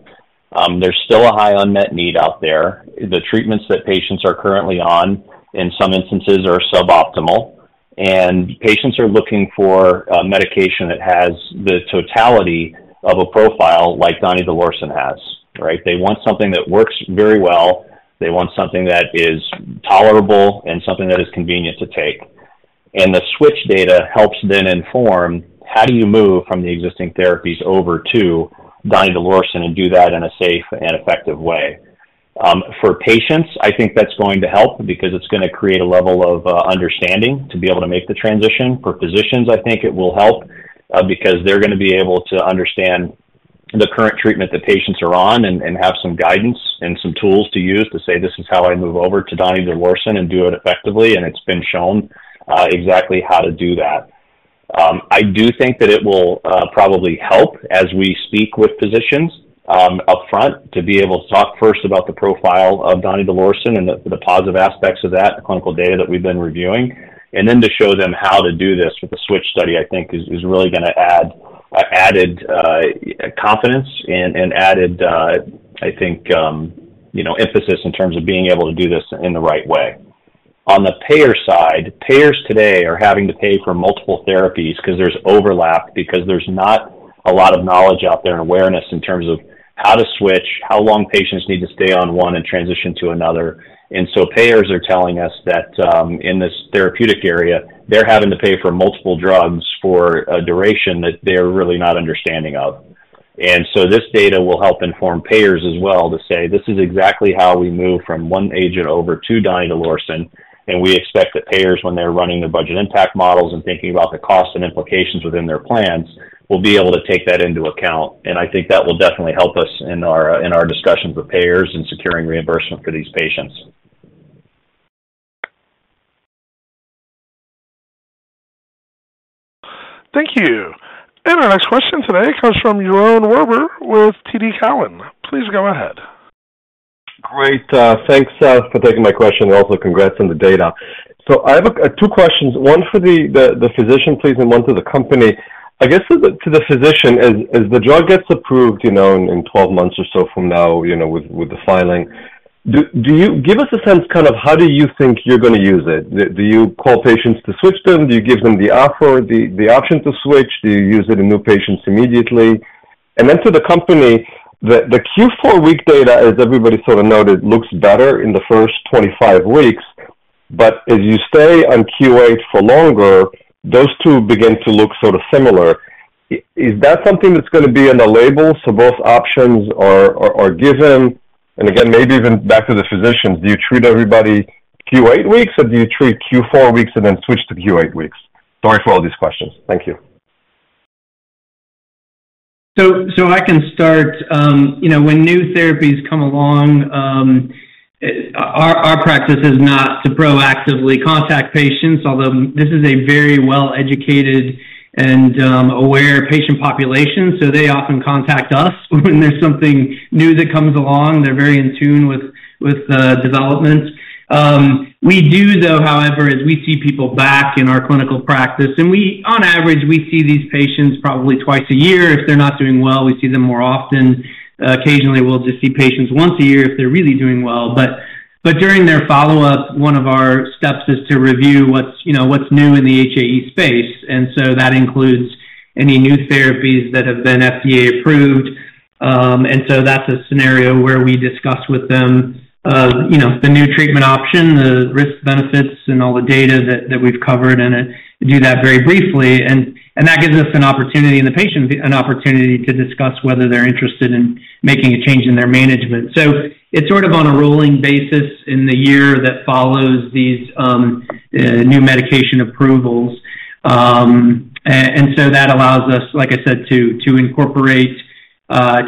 There's still a high unmet need out there. The treatments that patients are currently on, in some instances, are suboptimal, and patients are looking for a medication that has the totality of a profile like donidalorsen has, right? They want something that works very well. They want something that is tolerable and something that is convenient to take. And the Switch data helps then inform how do you move from the existing therapies over to donidalorsen and do that in a safe and effective way. For patients, I think that's going to help because it's gonna create a level of understanding to be able to make the transition. For physicians, I think it will help, because they're gonna be able to understand the current treatment that patients are on and, and have some guidance and some tools to use to say, "This is how I move over to donidalorsen and do it effectively," and it's been shown, exactly how to do that. I do think that it will, probably help as we speak with physicians, upfront, to be able to talk first about the profile of donidalorsen and the, the positive aspects of that, the clinical data that we've been reviewing, and then to show them how to do this with the SWITCH study, I think is, is really gonna add, added, confidence and, and added, I think, you know, emphasis in terms of being able to do this in the right way. On the payer side, payers today are having to pay for multiple therapies 'cause there's overlap, because there's not a lot of knowledge out there and awareness in terms of how to switch, how long patients need to stay on one and transition to another. And so payers are telling us that, in this therapeutic area, they're having to pay for multiple drugs for a duration that they're really not understanding of. And so this data will help inform payers as well to say, "This is exactly how we move from one agent over to donidalorsen," and we expect that payers, when they're running their budget impact models and thinking about the cost and implications within their plans, will be able to take that into account. And I think that will definitely help us in our, in our discussions with payers in securing reimbursement for these patients. Thank you. And our next question today comes from Yaron Werber with TD Cowen. Please go ahead. Great. Thanks for taking my question and also congrats on the data. So I have two questions, one for the physician, please, and one for the company. I guess to the physician, as the drug gets approved, you know, in 12 months or so from now, you know, with the filing, do you give us a sense, kind of how do you think you're gonna use it? Do you call patients to switch them? Do you give them the offer, the option to switch? Do you use it in new patients immediately? And then to the company, the Q4-week data, as everybody sort of noted, looks better in the first 25 weeks, but as you stay on Q8 for longer, those two begin to look sort of similar. Is that something that's gonna be in the label, so both options are given? Again, maybe even back to the physicians: Do you treat everybody Q8 weeks, or do you treat Q4-weeks and then switch to Q8 weeks? Sorry for all these questions. Thank you. So I can start. You know, when new therapies come along, our practice is not to proactively contact patients, although this is a very well-educated and aware patient population, so they often contact us when there's something new that comes along. They're very in tune with developments. We do, though, however, as we see people back in our clinical practice, on average, we see these patients probably twice a year. If they're not doing well, we see them more often. Occasionally, we'll just see patients once a year if they're really doing well. But during their follow-up, one of our steps is to review what's new in the HAE space, and so that includes any new therapies that have been FDA approved. And so that's a scenario where we discuss with them, you know, the new treatment option, the risk benefits and all the data that we've covered, and do that very briefly. And that gives us an opportunity, and the patient an opportunity to discuss whether they're interested in making a change in their management. So it's sort of on a rolling basis in the year that follows these new medication approvals. And so that allows us, like I said, to incorporate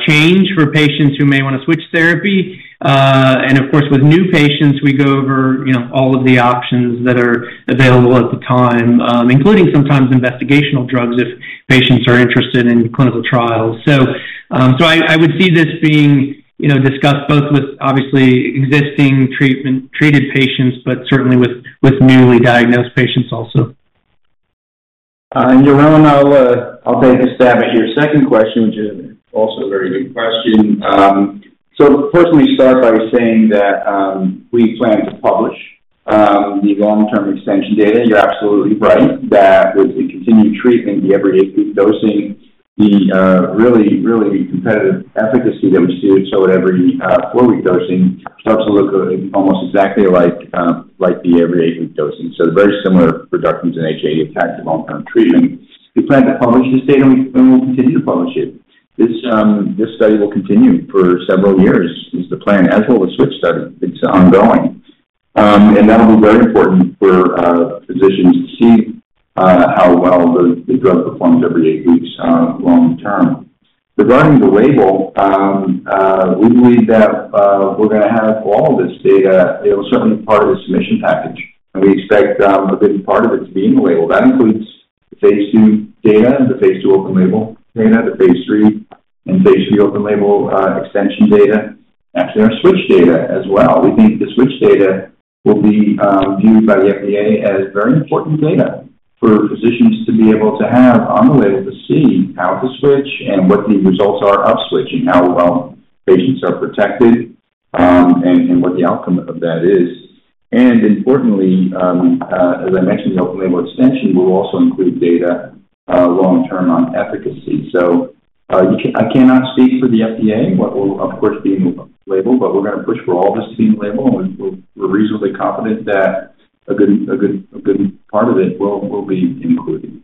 change for patients who may wanna switch therapy. And of course, with new patients, we go over, you know, all of the options that are available at the time, including sometimes investigational drugs, if patients are interested in clinical trials. So, I would see this being, you know, discussed both with obviously existing treatment-treated patients, but certainly with newly diagnosed patients also. Yaron, I'll, I'll take a stab at your second question, which is also a very good question. So first let me start by saying that, we plan to publish, the long-term extension data. You're absolutely right, that with the continued treatment, the every 8-week dosing, the, really, really competitive efficacy that we see with so every, 4-week dosing starts to look almost exactly like, like the every 8-week dosing. So very similar reductions in HAE impact to long-term treatment. We plan to publish this data, and we, and we'll continue to publish it. This, this study will continue for several years, is the plan, as will the switch study. It's ongoing. And that'll be very important for, physicians to see, how well the, the drug performs every eight weeks, long term. Regarding the label, we believe that, we're gonna have all this data, it was certainly part of the submission package, and we expect, a good part of it to be in the label. That includes phase II data and the phase II open label data, the phase III and phase III open label, extension data, actually our Switch data as well. We think the Switch data will be, viewed by the FDA as very important data for physicians to be able to have on the label to see how to switch and what the results are of switching, how well patients are protected, and what the outcome of that is. And importantly, as I mentioned, the open label extension will also include data, long term on efficacy. So, I cannot speak for the FDA, what will of course be in the label, but we're gonna push for all this to be in the label, and we're reasonably confident that a good part of it will be included.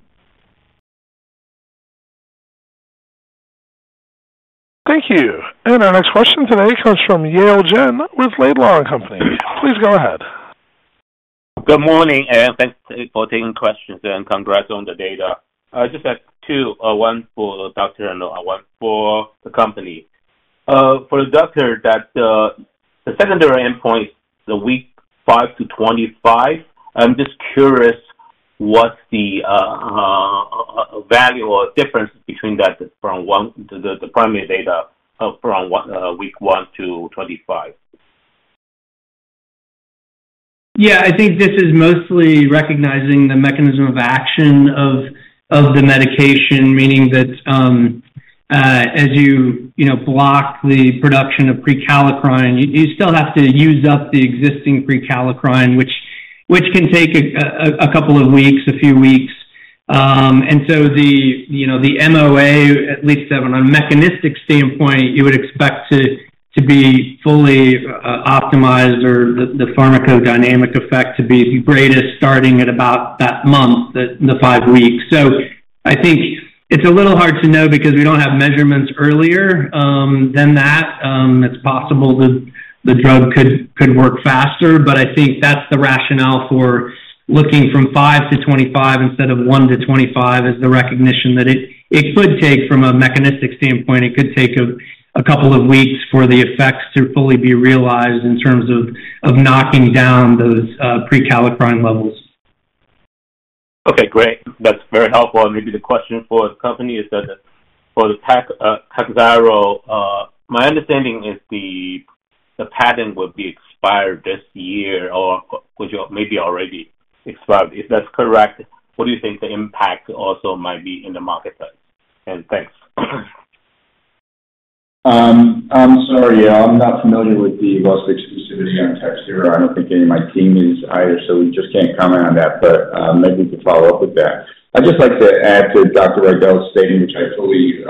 Thank you. Our next question today comes from Yale Jen with Laidlaw & Company. Please go ahead. Good morning, and thanks for taking questions, and congrats on the data. I just have two, one for Dr. and one for the company. For the doctor, that, the secondary endpoint, the week 5 to 25, I'm just curious, what's the value or difference between that from one, the primary data from one, week 1-25? Yeah. I think this is mostly recognizing the mechanism of action of the medication, meaning that, as you know, block the production of prekallikrein, you still have to use up the existing prekallikrein, which can take a couple of weeks, a few weeks. And so the, you know, the MOA, at least from a mechanistic standpoint, you would expect to be fully optimized or the pharmacodynamic effect to be greatest starting at about that month, the five weeks. So I think it's a little hard to know because we don't have measurements earlier than that. It's possible that the drug could work faster, but I think that's the rationale for looking from 5-25 instead of 1-25, is the recognition that it could take, from a mechanistic standpoint, it could take a couple of weeks for the effects to fully be realized in terms of knocking down those prekallikrein levels. Okay, great. That's very helpful. And maybe the question for the company is that for the Tak, Takhzyro, my understanding is the patent will be expired this year or which maybe already expired. If that's correct, what do you think the impact also might be in the market size? And thanks. I'm sorry, I'm not familiar with the loss of exclusivity on Takhzyro. I don't think any of my team is either, so we just can't comment on that, but maybe we can follow up with that. I'd just like to add to Dr. Riedl's statement, which I fully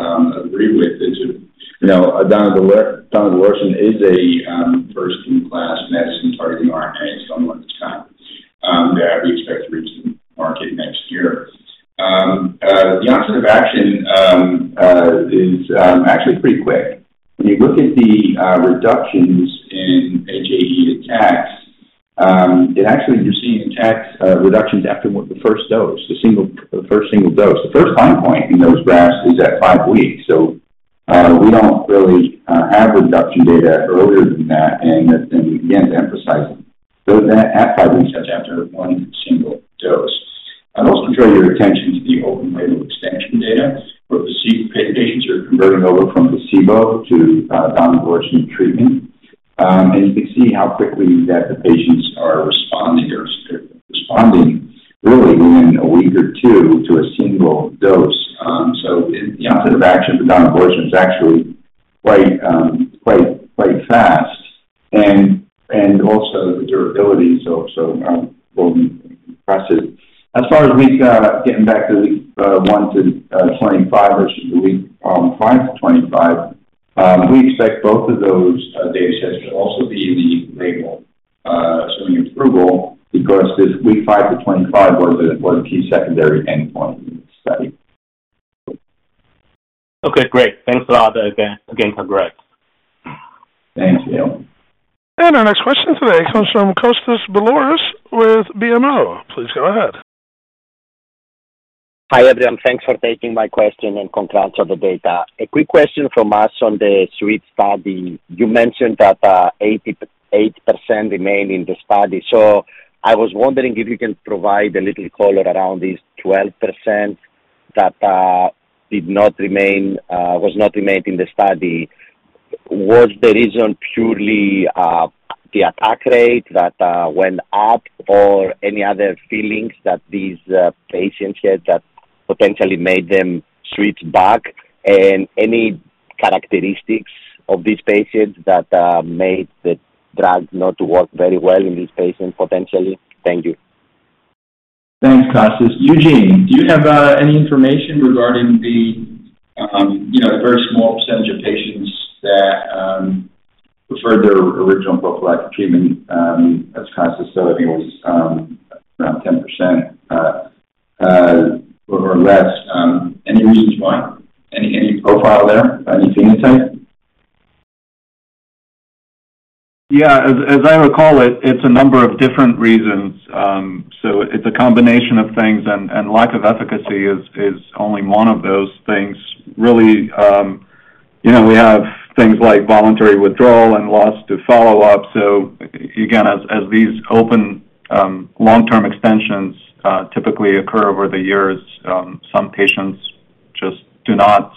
agree with, is that, you know, donidalorsen, donidalorsen is a first-in-class medicine targeting RNA for the first time, that we expect to reach the market next year. The onset of action is actually pretty quick. When you look at the reductions in HAE attacks, it actually you're seeing attacks reductions after the first dose, the single, the first single dose. The first time point in those graphs is at five weeks, so we don't really have reduction data earlier than that. And then again, to emphasize, so that at five weeks after one single dose. I'd also draw your attention to the open label extension data, where placebo patients are converting over from placebo to donidalorsen treatment. And you can see how quickly that the patients are responding or responding really within a week or two to a single dose. So the onset of action for donidalorsen is actually quite, quite fast. And also the durability. So we'll be impressed. As far as weeks, getting back to weeks 1-25 versus weeks 5-25, we expect both of those data sets to also be in the label, assuming approval, because weeks 5-25 was a key secondary endpoint in the study. Okay, great. Thanks a lot again, again, congrats. Thanks, Jen. Our next question today comes from Kostas Biliouris with BMO. Please go ahead. Hi, everyone. Thanks for taking my question and congrats on the data. A quick question from us on the SWITCH study. You mentioned that 88% remained in the study. So I was wondering if you can provide a little color around this 12% that did not remain, was not remained in the study. Was the reason purely the attack rate that went up or any other feelings that these patients had that potentially made them switch back? And any characteristics of these patients that made the drug not to work very well in these patients potentially? Thank you. Thanks, Kostas. Eugene, do you have any information regarding the, you know, very small percentage of patients that preferred their original prophylactic treatment, as Kostas said, I think it was around 10%, or less. Any reasons why? Any profile there, any phenotype? Yeah, as I recall it, it's a number of different reasons. So it's a combination of things, and lack of efficacy is only one of those things. Really, you know, we have things like voluntary withdrawal and loss to follow-up. So again, as these open long-term extensions typically occur over the years, some patients just do not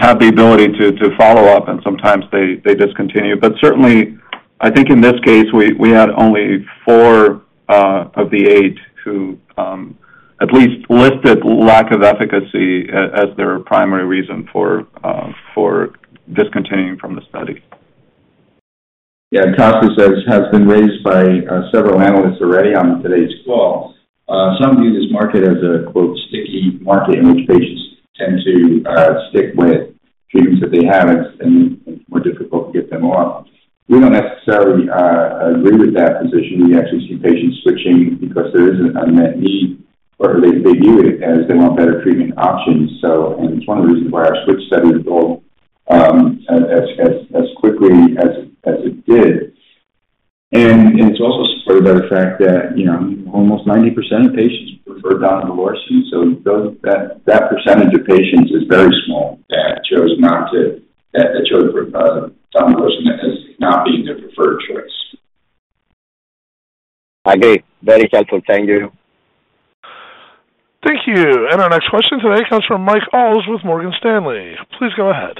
have the ability to follow up, and sometimes they discontinue. But certainly, I think in this case, we had only four of the eight who at least listed lack of efficacy as their primary reason for discontinuing from the study. Yeah, Kostas, as has been raised by several analysts already on today's call, some view this market as a, quote, "sticky market," in which patients tend to stick with treatments that they have and more difficult to get them off. We don't necessarily agree with that position. We actually see patients switching because there is an unmet need, or they view it as they want better treatment options. So and it's one of the reasons why our SWITCH study went well, as quickly as it did. And it's also supported by the fact that, you know, almost 90% of patients prefer donidalorsen. So that percentage of patients is very small, that chose not to—that chose donidalorsen as not being their preferred choice. Agreed. Very helpful. Thank you. Thank you. Our next question today comes from Mike Ulz with Morgan Stanley. Please go ahead.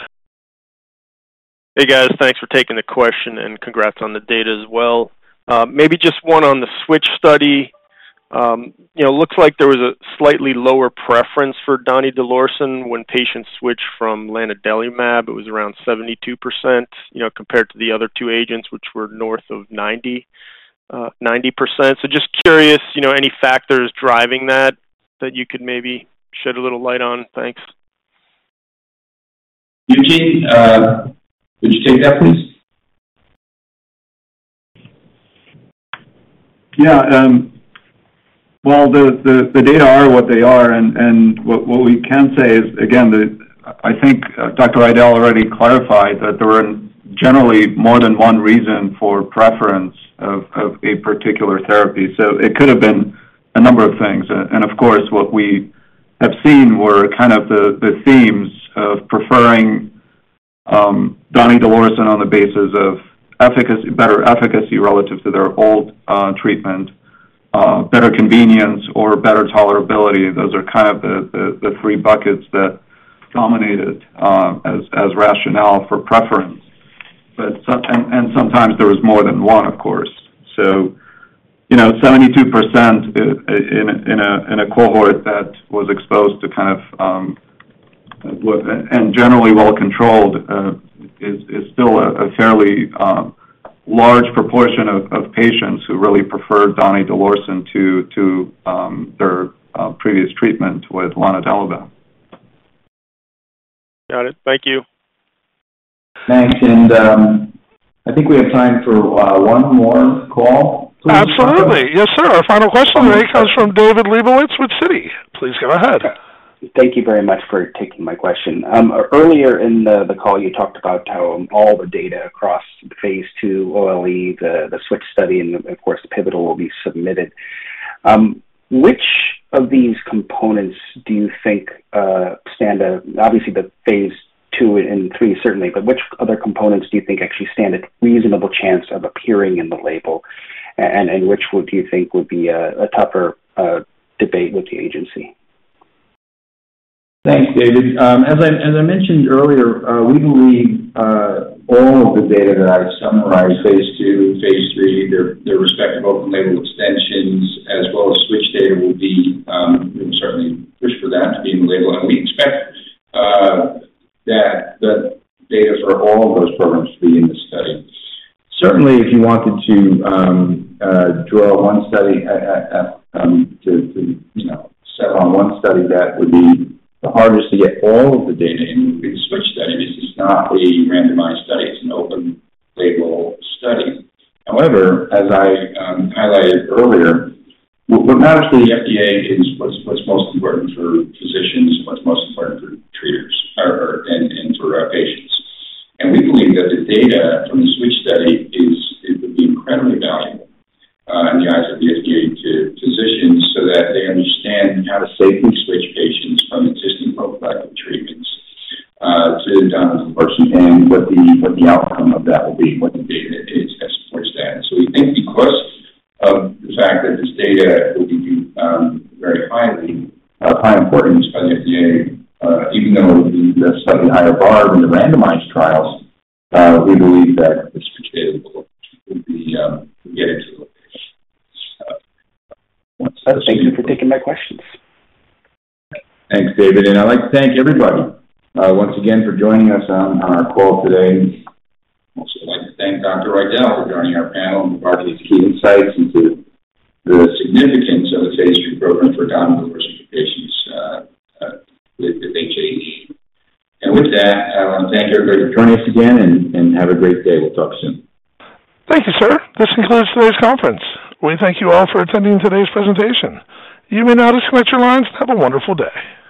Hey, guys. Thanks for taking the question, and congrats on the data as well. Maybe just one on the SWITCH study. You know, looks like there was a slightly lower preference for donidalorsen when patients switched from lanadelumab. It was around 72%, you know, compared to the other two agents, which were north of 90, 90%. So just curious, you know, any factors driving that, that you could maybe shed a little light on? Thanks. Eugene, would you take that, please? Yeah, well, the data are what they are, and what we can say is, again, that I think Dr. Riedl already clarified that there were generally more than one reason for preference of a particular therapy. So it could have been a number of things. And of course, what we have seen were kind of the themes of preferring donidalorsen on the basis of efficacy, better efficacy relative to their old treatment, better convenience or better tolerability. Those are kind of the three buckets that dominated as rationale for preference. But some... And sometimes there was more than one, of course. So, you know, 72% in a cohort that was exposed to kind of, and generally well controlled, is still a fairly large proportion of patients who really preferred donidalorsen to their previous treatment with lanadelumab. Got it. Thank you. Thanks. I think we have time for one more call. Absolutely. Yes, sir. Our final question today comes from David Lebowitz with Citi. Please go ahead. Thank you very much for taking my question. Earlier in the call, you talked about how all the data across the phase II, OLE, the SWITCH study, and of course, the pivotal will be submitted. Which of these components do you think stand out? Obviously, the phase II and III, certainly, but which other components do you think actually stand a reasonable chance of appearing in the label? And which would you think would be a tougher debate with the agency? Thanks, David. As I mentioned earlier, we believe all of the data that I've summarized, phase II, phase III, their respective open-label extensions, as well as SWITCH data, will be. We certainly push for that to be in the label. And we expect that the data for all of those programs to be in the study. Certainly, if you wanted to draw one study, to you know, settle on one study, that would be the hardest to get all of the data in, would be the SWITCH study. This is not a randomized study. It's an open-label study. However, as I highlighted earlier, what matters to the FDA is what's most important for physicians, what's most important for treaters or and for our patients. We believe that the data from the SWITCH study is, it would be incredibly valuable, not just for the FDA, to physicians, so that they understand how to safely switch patients from existing prophylactic treatments, to donidalorsen and what the, what the outcome of that will be, and what the data is that supports that. So we think because of the fact that this data will be, very highly, of high importance by the FDA, even though the, the study higher bar in the randomized trials, we believe that the SWITCH data will, will be, get into the label. Thank you for taking my questions. Thanks, David, and I'd like to thank everybody, once again for joining us on our call today. I'd also like to thank Dr. Riedl for joining our panel and providing his key insights into the significance of the phase III program for donidalorsen for patients with HAE. And with that, I want to thank everybody for joining us again, and have a great day. We'll talk soon. Thank you, sir. This concludes today's conference. We thank you all for attending today's presentation. You may now disconnect your lines. Have a wonderful day.